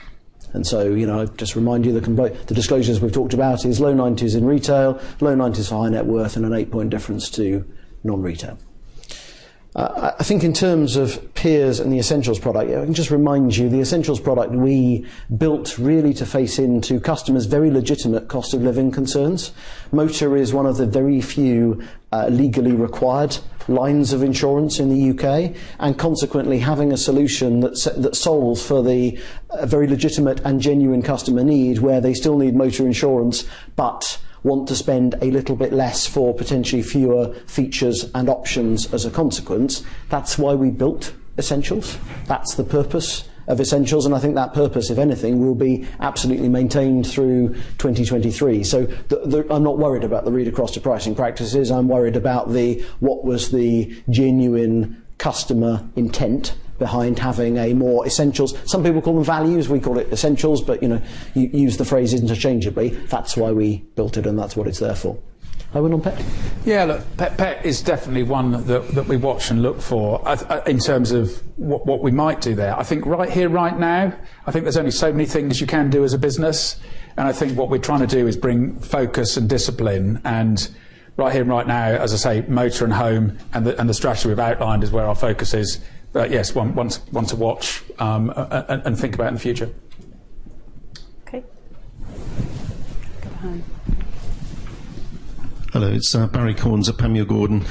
And so, you know, just to remind you, the disclosures we've talked about is low 90s in retail, low 90s for high net worth, and an eight point difference to non-retail. I think in terms of peers and the Essentials product, let me just remind you, the Essentials product we built really to face into customers' very legitimate cost-of-living concerns. Motor is one of the very few legally required lines of insurance in the U.K., and consequently, having a solution that solves for a very legitimate and genuine customer need, where they still need motor insurance, but want to spend a little bit less for potentially fewer features and options as a consequence. That's why we built Essentials. That's the purpose of Essentials, and I think that purpose, if anything, will be absolutely maintained through 2023. So... I'm not worried about the read-across to pricing practices. I'm worried about what was the genuine customer intent behind having a more Essentials... Some people call them values, we call it Essentials, but, you know, use the phrases interchangeably. That's why we built it, and that's what it's there for. Owen, on pet? Yeah, look, pet, pet is definitely one that we watch and look for. In terms of what we might do there. I think right here, right now, I think there's only so many things you can do as a business, and I think what we're trying to do is bring focus and discipline. And right here and right now, as I say, motor and home, and the strategy we've outlined is where our focus is. But yes, one to watch and think about in the future. Okay. Go ahead. Hello, it's Barrie Cornes of Panmure Gordon.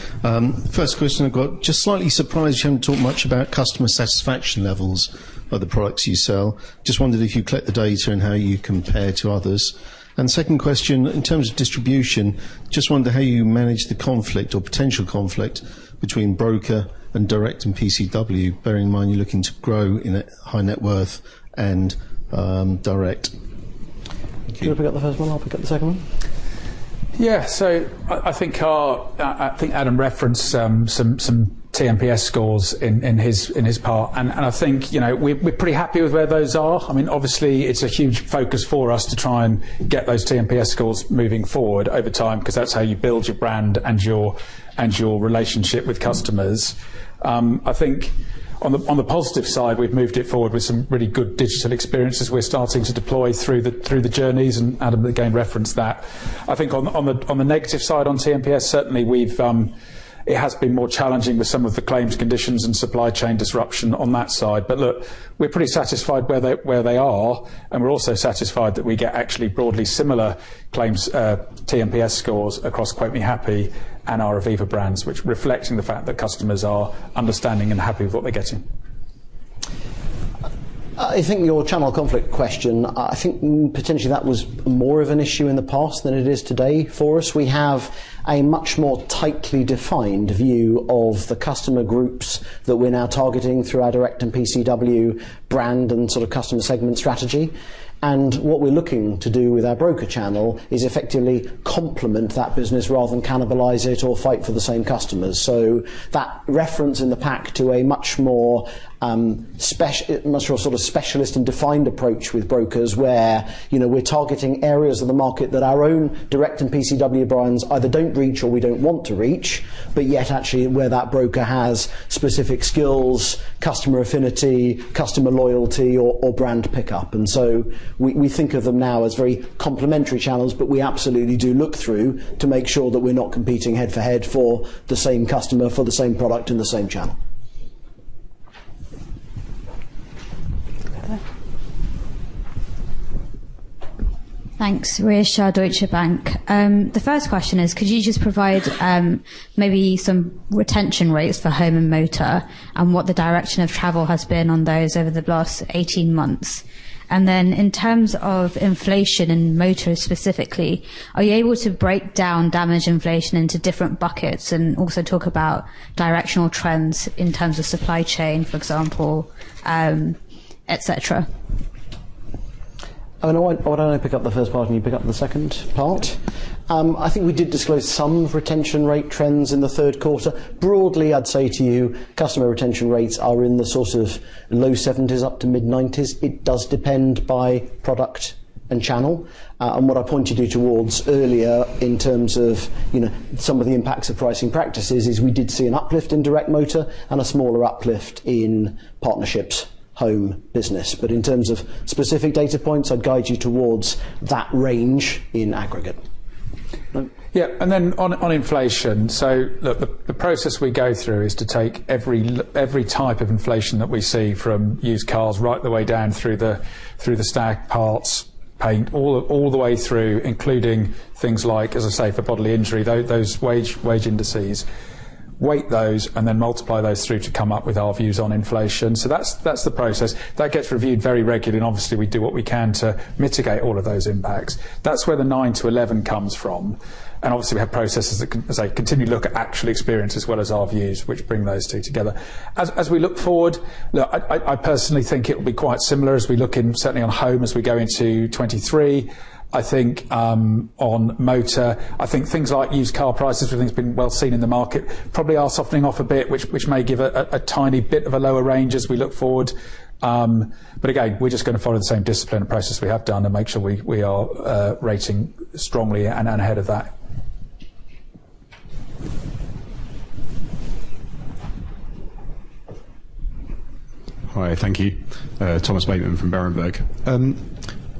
First question I've got, just slightly surprised you haven't talked much about customer satisfaction levels of the products you sell. Just wondered if you collect the data and how you compare to others. And second question, in terms of distribution, just wonder how you manage the conflict or potential conflict between broker and direct and PCW, bearing in mind you're looking to grow in a high net worth and direct. Thank you. Do you want to pick up the first one? I'll pick up the second one. Yeah, so I think our... I think Adam referenced some TNPS scores in his part, and I think, you know, we're pretty happy with where those are. I mean, obviously, it's a huge focus for us to try and get those TNPS scores moving forward over time, because that's how you build your brand and your relationship with customers. I think on the positive side, we've moved it forward with some really good digital experiences we're starting to deploy through the journeys, and Adam, again, referenced that. I think on the negative side, on TNPS, certainly, it has been more challenging with some of the claims, conditions, and supply chain disruption on that side. But look, we're pretty satisfied where they, where they are, and we're also satisfied that we get actually broadly similar claims, TNPS scores across Quote Me Happy and our Aviva brands, which reflecting the fact that customers are understanding and happy with what they're getting. I think your channel conflict question, I think potentially that was more of an issue in the past than it is today for us. We have a much more tightly defined view of the customer groups that we're now targeting through our direct and PCW brand and sort of customer segment strategy. And what we're looking to do with our broker channel is effectively complement that business rather than cannibalize it or fight for the same customers. So that reference in the pack to a much more a much more sort of specialist and defined approach with brokers, where, you know, we're targeting areas of the market that our own direct and PCW brands either don't reach or we don't want to reach, but yet actually where that broker has specific skills, customer affinity, customer loyalty, or, or brand pickup. And so we think of them now as very complementary channels, but we absolutely do look through to make sure that we're not competing head-to-head for the same customer, for the same product in the same channel. Okay. Thanks. Rhea Shah, Deutsche Bank. The first question is, could you just provide, maybe some retention rates for home and motor, and what the direction of travel has been on those over the last 18 months? And then in terms of inflation in motor, specifically, are you able to break down damage inflation into different buckets and also talk about directional trends in terms of supply chain, for example, et cetera? I mean, why don't I pick up the first part, and you pick up the second part? I think we did disclose some retention rate trends in the third quarter. Broadly, I'd say to you customer retention rates are in the sort of low 70s up to mid-90s. It does depend by product and channel. And what I pointed you towards earlier in terms of, you know, some of the impacts of pricing practices, is we did see an uplift in direct motor and a smaller uplift in partnerships home business. But in terms of specific data points, I'd guide you towards that range in aggregate. Yeah, and then on inflation. So look, the process we go through is to take every type of inflation that we see, from used cars right the way down through the stack parts, paint, all the way through, including things like, as I say, for bodily injury, those wage indices. Weigh those and then multiply those through to come up with our views on inflation. So that's the process. That gets reviewed very regularly, and obviously, we do what we can to mitigate all of those impacts. That's where the 9%-11% comes from, and obviously, we have processes that as I continue to look at actual experience as well as our views, which bring those two together. As we look forward, I personally think it will be quite similar as we look in, certainly on home as we go into 2023. I think, on motor, I think things like used car prices, we think it's been well seen in the market, probably are softening off a bit, which may give a tiny bit of a lower range as we look forward. But again, we're just gonna follow the same discipline and process we have done and make sure we are rating strongly and ahead of that. Hi, thank you. Thomas Bateman from Berenberg.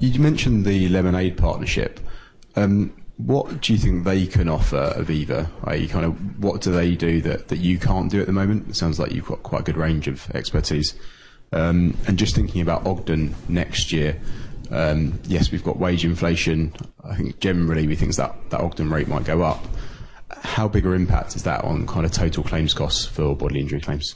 You mentioned the Lemonade partnership. What do you think they can offer Aviva? Kind of what do they do that, that you can't do at the moment? It sounds like you've got quite a good range of expertise. And just thinking about Ogden next year, yes, we've got wage inflation. I think generally, we think that the Ogden rate might go up. How big an impact is that on kind of total claims costs for bodily injury claims?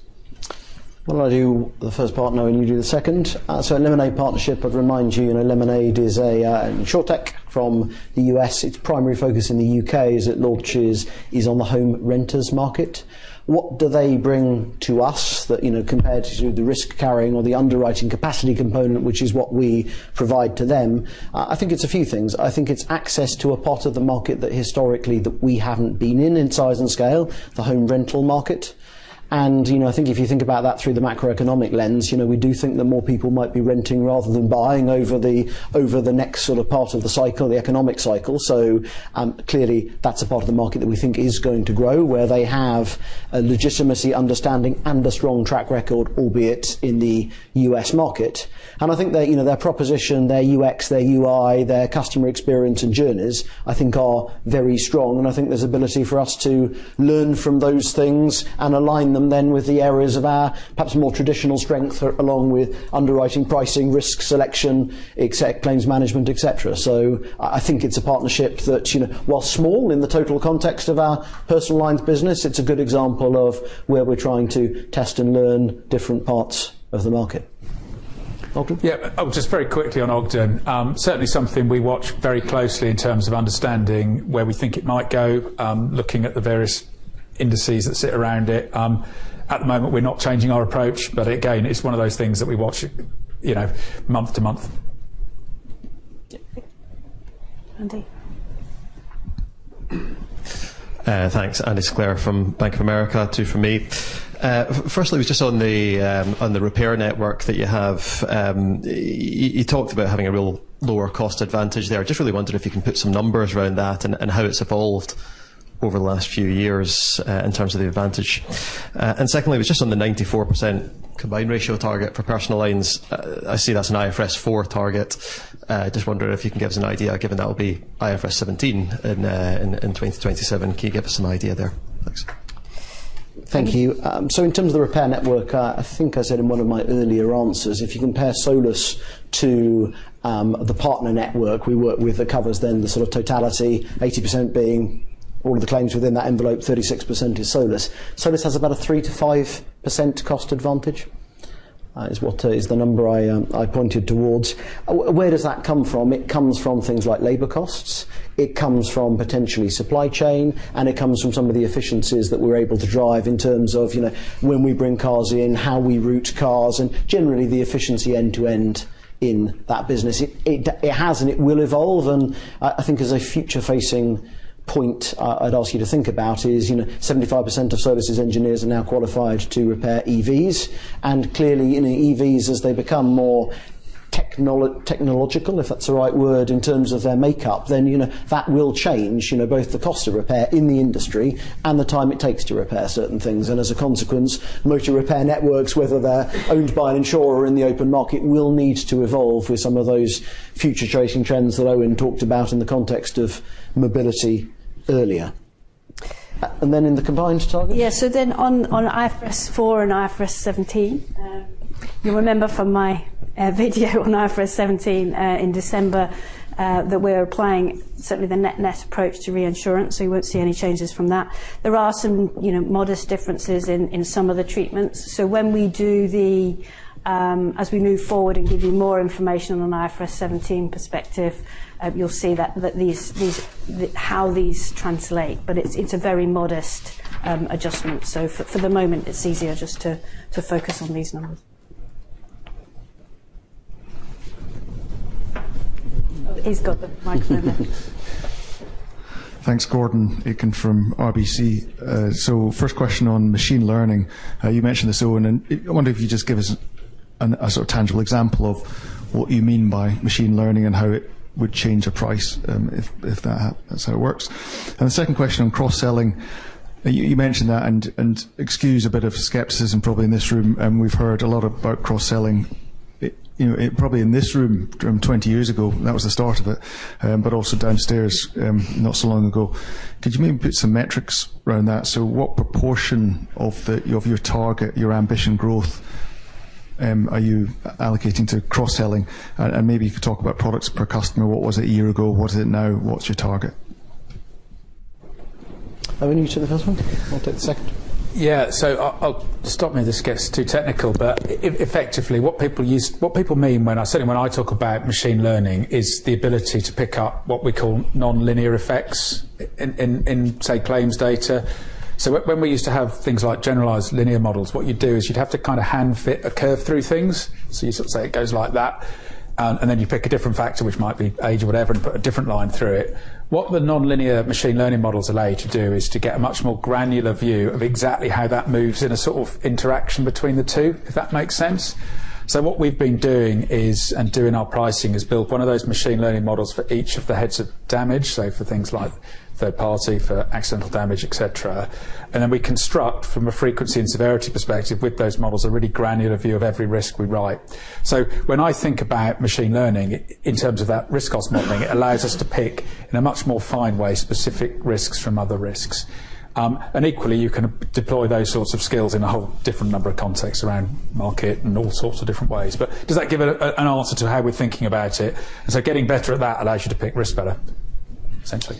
Well, I do the first part, knowing you do the second. So Lemonade partnership, I'd remind you, Lemonade is a insurtech from the U.S. Its primary focus in the U.K. is it launches is on the home renter's market. What do they bring to us that, you know, compared to the risk carrying or the underwriting capacity component, which is what we provide to them? I think it's a few things. I think it's access to a part of the market that historically that we haven't been in in size and scale, the home rental market. And, you know, I think if you think about that through the macroeconomic lens, you know, we do think that more people might be renting rather than buying over the, over the next sort of part of the cycle, the economic cycle. So, clearly, that's a part of the market that we think is going to grow, where they have a legitimacy, understanding, and a strong track record, albeit in the US market. And I think their, you know, their proposition, their UX, their UI, their customer experience and journeys, I think are very strong. And I think there's ability for us to learn from those things and align them then with the areas of our perhaps more traditional strength, along with underwriting, pricing, risk selection, execution, claims management, et cetera. So I think it's a partnership that, you know, while small in the total context of our personal lines business, it's a good example of where we're trying to test and learn different parts of the market. Owen? Yeah, just very quickly on Ogden. Certainly something we watch very closely in terms of understanding where we think it might go, looking at the various indices that sit around it. At the moment, we're not changing our approach, but again, it's one of those things that we watch, you know, month to month. Yeah. Andy. Thanks. Andrew Sinclair from Bank of America, two from me. Firstly, was just on the, on the repair network that you have. You talked about having a real lower cost advantage there. I just really wondered if you can put some numbers around that and, and how it's evolved over the last few years, in terms of the advantage. And secondly, was just on the 94% combined ratio target for personal lines. I see that's an IFRS 4 target. Just wondering if you can give us an idea, given that will be IFRS 17 in, in, in 2027. Can you give us an idea there? Thanks. Thank you. So in terms of the repair network, I think I said in one of my earlier answers, if you compare Solus to the partner network, we work with the covers, then the sort of totality, 80% being all of the claims within that envelope, 36% is Solus. Solus has about a 3%-5% cost advantage. Is what is the number I pointed towards. Where does that come from? It comes from things like labor costs, it comes from potentially supply chain, and it comes from some of the efficiencies that we're able to drive in terms of, you know, when we bring cars in, how we route cars, and generally the efficiency end to end in that business. It has, and it will evolve. And I, I think as a future-facing point, I'd ask you to think about is, you know, 75% of services engineers are now qualified to repair EVs. And clearly, you know, EVs, as they become more technological, if that's the right word, in terms of their makeup, then, you know, that will change, you know, both the cost of repair in the industry and the time it takes to repair certain things. And as a consequence, motor repair networks, whether they're owned by an insurer or in the open market, will need to evolve with some of those future tracing trends that Owen talked about in the context of mobility earlier. And then in the combined target? Yeah. So then on, on IFRS 4 and IFRS 17, you remember from my video on IFRS 17 in December that we're applying certainly the net-net approach to reinsurance, so you won't see any changes from that. There are some, you know, modest differences in, in some of the treatments. As we move forward and give you more information on the IFRS 17 perspective, you'll see that, that these, these, how these translate, but it's, it's a very modest adjustment. So for, for the moment, it's easier just to, to focus on these numbers. He's got the mic now. Thanks, Gordon Aitken from RBC. So first question on machine learning. You mentioned this, Owen, and I wonder if you just give us a sort of tangible example of what you mean by machine learning and how it would change a price, if that's how it works. And the second question on cross-selling, you mentioned that, and excuse a bit of skepticism, probably in this room, and we've heard a lot about cross-selling. It you know it probably in this room 20 years ago that was the start of it, but also downstairs not so long ago. Could you maybe put some metrics around that? So what proportion of the-- of your target, your ambition growth. Are you allocating to cross-selling? And maybe you could talk about products per customer. What was it a year ago? What is it now? What's your target? I want you to the first one? I'll take the second. Yeah. So I'll stop me if this gets too technical, but effectively, what people mean when I certainly when I talk about machine learning, is the ability to pick up what we call nonlinear effects in, say, claims data. So when we used to have things like generalized linear models, what you'd do is you'd have to kind of hand fit a curve through things. So you sort of say it goes like that, and then you pick a different factor, which might be age or whatever, and put a different line through it. What the nonlinear machine learning models allow you to do is to get a much more granular view of exactly how that moves in a sort of interaction between the two, if that makes sense. So what we've been doing is, and doing our pricing, is build one of those machine learning models for each of the heads of damage, so for things like third party, for accidental damage, et cetera. And then we construct from a frequency and severity perspective with those models, a really granular view of every risk we write. So when I think about machine learning in terms of that risk cost modeling, it allows us to pick in a much more fine way, specific risks from other risks. And equally, you can deploy those sorts of skills in a whole different number of contexts around market and all sorts of different ways. But does that give an answer to how we're thinking about it? And so getting better at that allows you to pick risk better, essentially.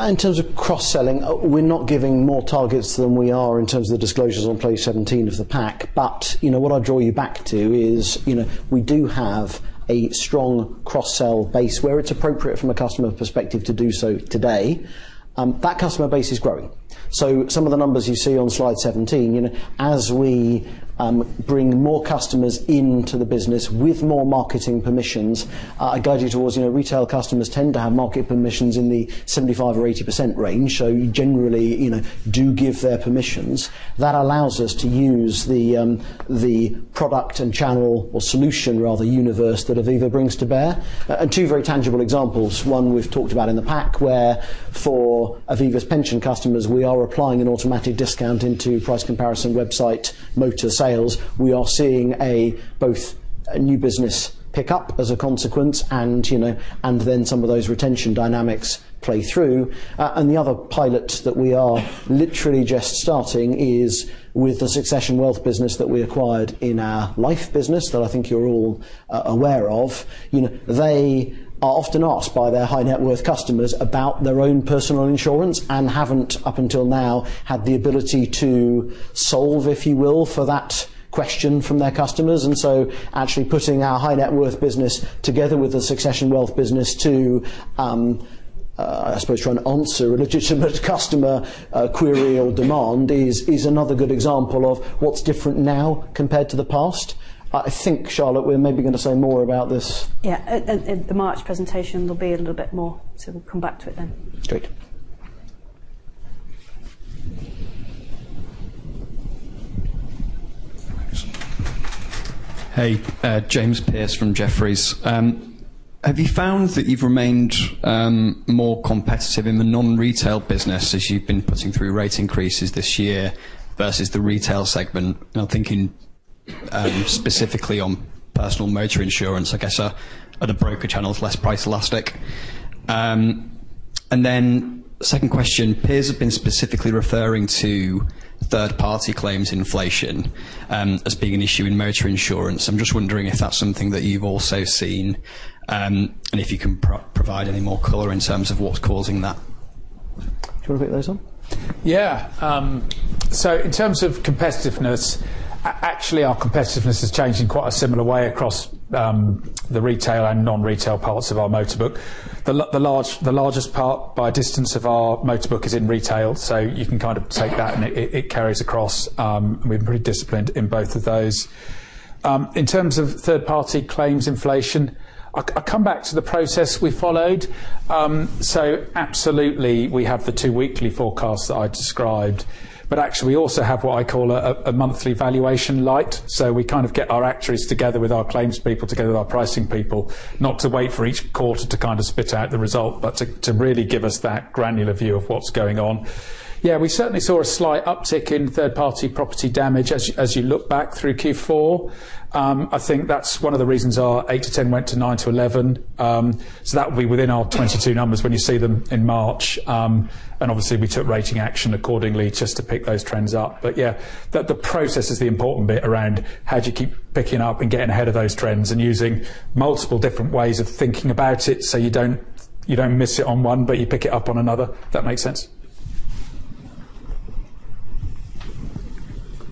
In terms of cross-selling, we're not giving more targets than we are in terms of the disclosures on page 17 of the pack. But, you know, what I'd draw you back to is, you know, we do have a strong cross-sell base where it's appropriate from a customer perspective to do so today. That customer base is growing. So some of the numbers you see on slide 17, you know, as we bring more customers into the business with more marketing permissions, I guide you towards, you know, retail customers tend to have marketing permissions in the 75%-80% range, so generally, you know, do give their permissions. That allows us to use the product and channel or solution rather, universe that Aviva brings to bear. And two very tangible examples. One we've talked about in the pack, where for Aviva's pension customers, we are applying an automatic discount into price comparison website, motor sales. We are seeing both a new business pick up as a consequence, and, you know, and then some of those retention dynamics play through. And the other pilot that we are literally just starting is with the Succession Wealth business that we acquired in our life business that I think you're all aware of. You know, they are often asked by their high net worth customers about their own personal insurance, and haven't, up until now, had the ability to solve, if you will, for that question from their customers. And so actually putting our high net worth business together with the Succession Wealth business to, I suppose, try and answer a legitimate customer, query or demand, is another good example of what's different now compared to the past. I think, Charlotte, we're maybe going to say more about this. Yeah. At the March presentation, there'll be a little bit more, so we'll come back to it then. Great. Thanks. Hey, James Pearse from Jefferies. Have you found that you've remained more competitive in the non-retail business as you've been putting through rate increases this year versus the retail segment? I'm thinking specifically on personal motor insurance, I guess, at a broker channel is less price elastic. And then second question, peers have been specifically referring to third-party claims inflation as being an issue in motor insurance. I'm just wondering if that's something that you've also seen, and if you can provide any more color in terms of what's causing that. Do you want to pick those on? Yeah. So in terms of competitiveness, actually, our competitiveness has changed in quite a similar way across the retail and non-retail parts of our motorbook. The large, the largest part by distance of our motorbook is in retail, so you can kind of take that, and it carries across, we've been pretty disciplined in both of those. In terms of third-party claims inflation, I come back to the process we followed. So absolutely, we have the two weekly forecasts that I described, but actually, we also have what I call a monthly valuation light. So we kind of get our actuaries together with our claims people, together with our pricing people, not to wait for each quarter to kind of spit out the result, but to really give us that granular view of what's going on. Yeah, we certainly saw a slight uptick in third-party property damage as you look back through Q4. I think that's one of the reasons our eight to 10 went to nine to 11. So that will be within our 2022 numbers when you see them in March. And obviously, we took rating action accordingly just to pick those trends up. But yeah, the process is the important bit around how do you keep picking up and getting ahead of those trends and using multiple different ways of thinking about it, so you don't miss it on one, but you pick it up on another. That makes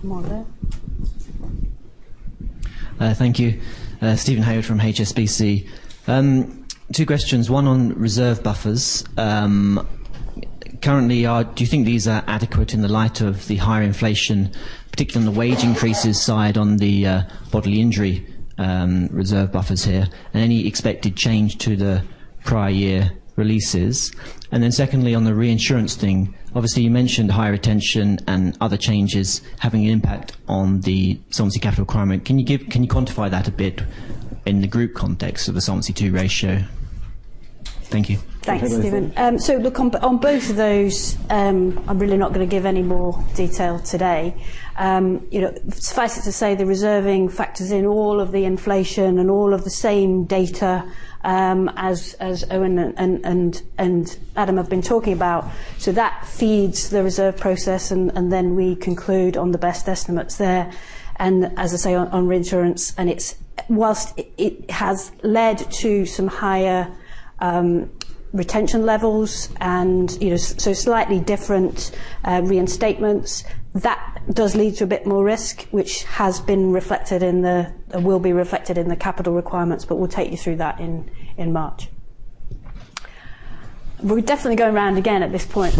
sense? One more there. Thank you. Stephen Howard from HSBC. Two questions, one on reserve buffers. Currently, do you think these are adequate in the light of the higher inflation, particularly on the wage increases side, on the bodily injury reserve buffers here, and any expected change to the prior year releases? And then secondly, on the reinsurance thing, obviously, you mentioned higher retention and other changes having an impact on the Solvency capital requirement. Can you quantify that a bit in the group context of the Solvency II ratio?... Thank you. Thanks, Stephen. So look, on both of those, I'm really not going to give any more detail today. You know, suffice it to say, the reserving factors in all of the inflation and all of the same data, as Owen and Adam have been talking about. So that feeds the reserve process, and then we conclude on the best estimates there. And as I say, on reinsurance, and it's whilst it has led to some higher retention levels and, you know, so slightly different reinstatements, that does lead to a bit more risk, which has been reflected in the will be reflected in the capital requirements, but we'll take you through that in March. We're definitely going round again at this point.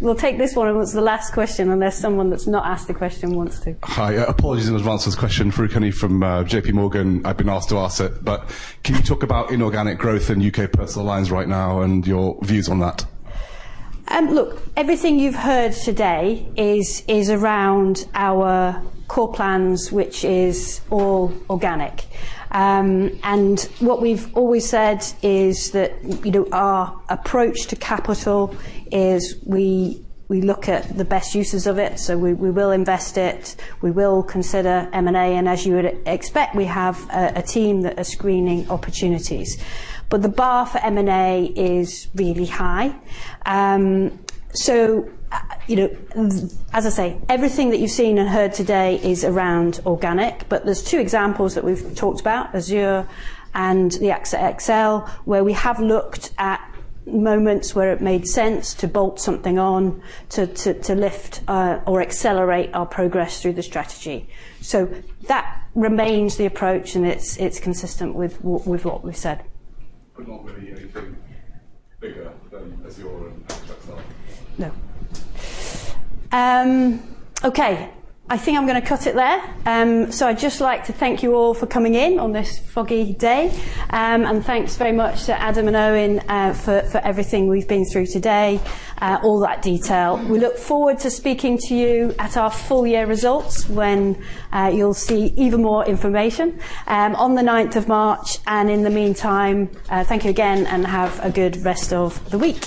We'll take this one as the last question, unless someone that's not asked a question wants to. Hi, apologies in advance for this question. Farooq Hanif from J.P. Morgan. I've been asked to ask it, but can you talk about inorganic growth in UK personal lines right now and your views on that? Look, everything you've heard today is, is around our core plans, which is all organic. And what we've always said is that, you know, our approach to capital is we, we will invest it, we will consider M&A, and as you would expect, we have a, a team that are screening opportunities. But the bar for M&A is really high. So, you know, as I say, everything that you've seen and heard today is around organic, but there's two examples that we've talked about, Azur and the AXA XL, where we have looked at moments where it made sense to bolt something on to, to, to lift, or accelerate our progress through the strategy. So that remains the approach, and it's, it's consistent with what, with what we've said. But not really anything bigger than Azur and AXA XL? No. Okay, I think I'm going to cut it there. So I'd just like to thank you all for coming in on this foggy day. And thanks very much to Adam and Owen, for everything we've been through today, all that detail. We look forward to speaking to you at our full year results, when you'll see even more information, on the ninth of March, and in the meantime, thank you again, and have a good rest of the week.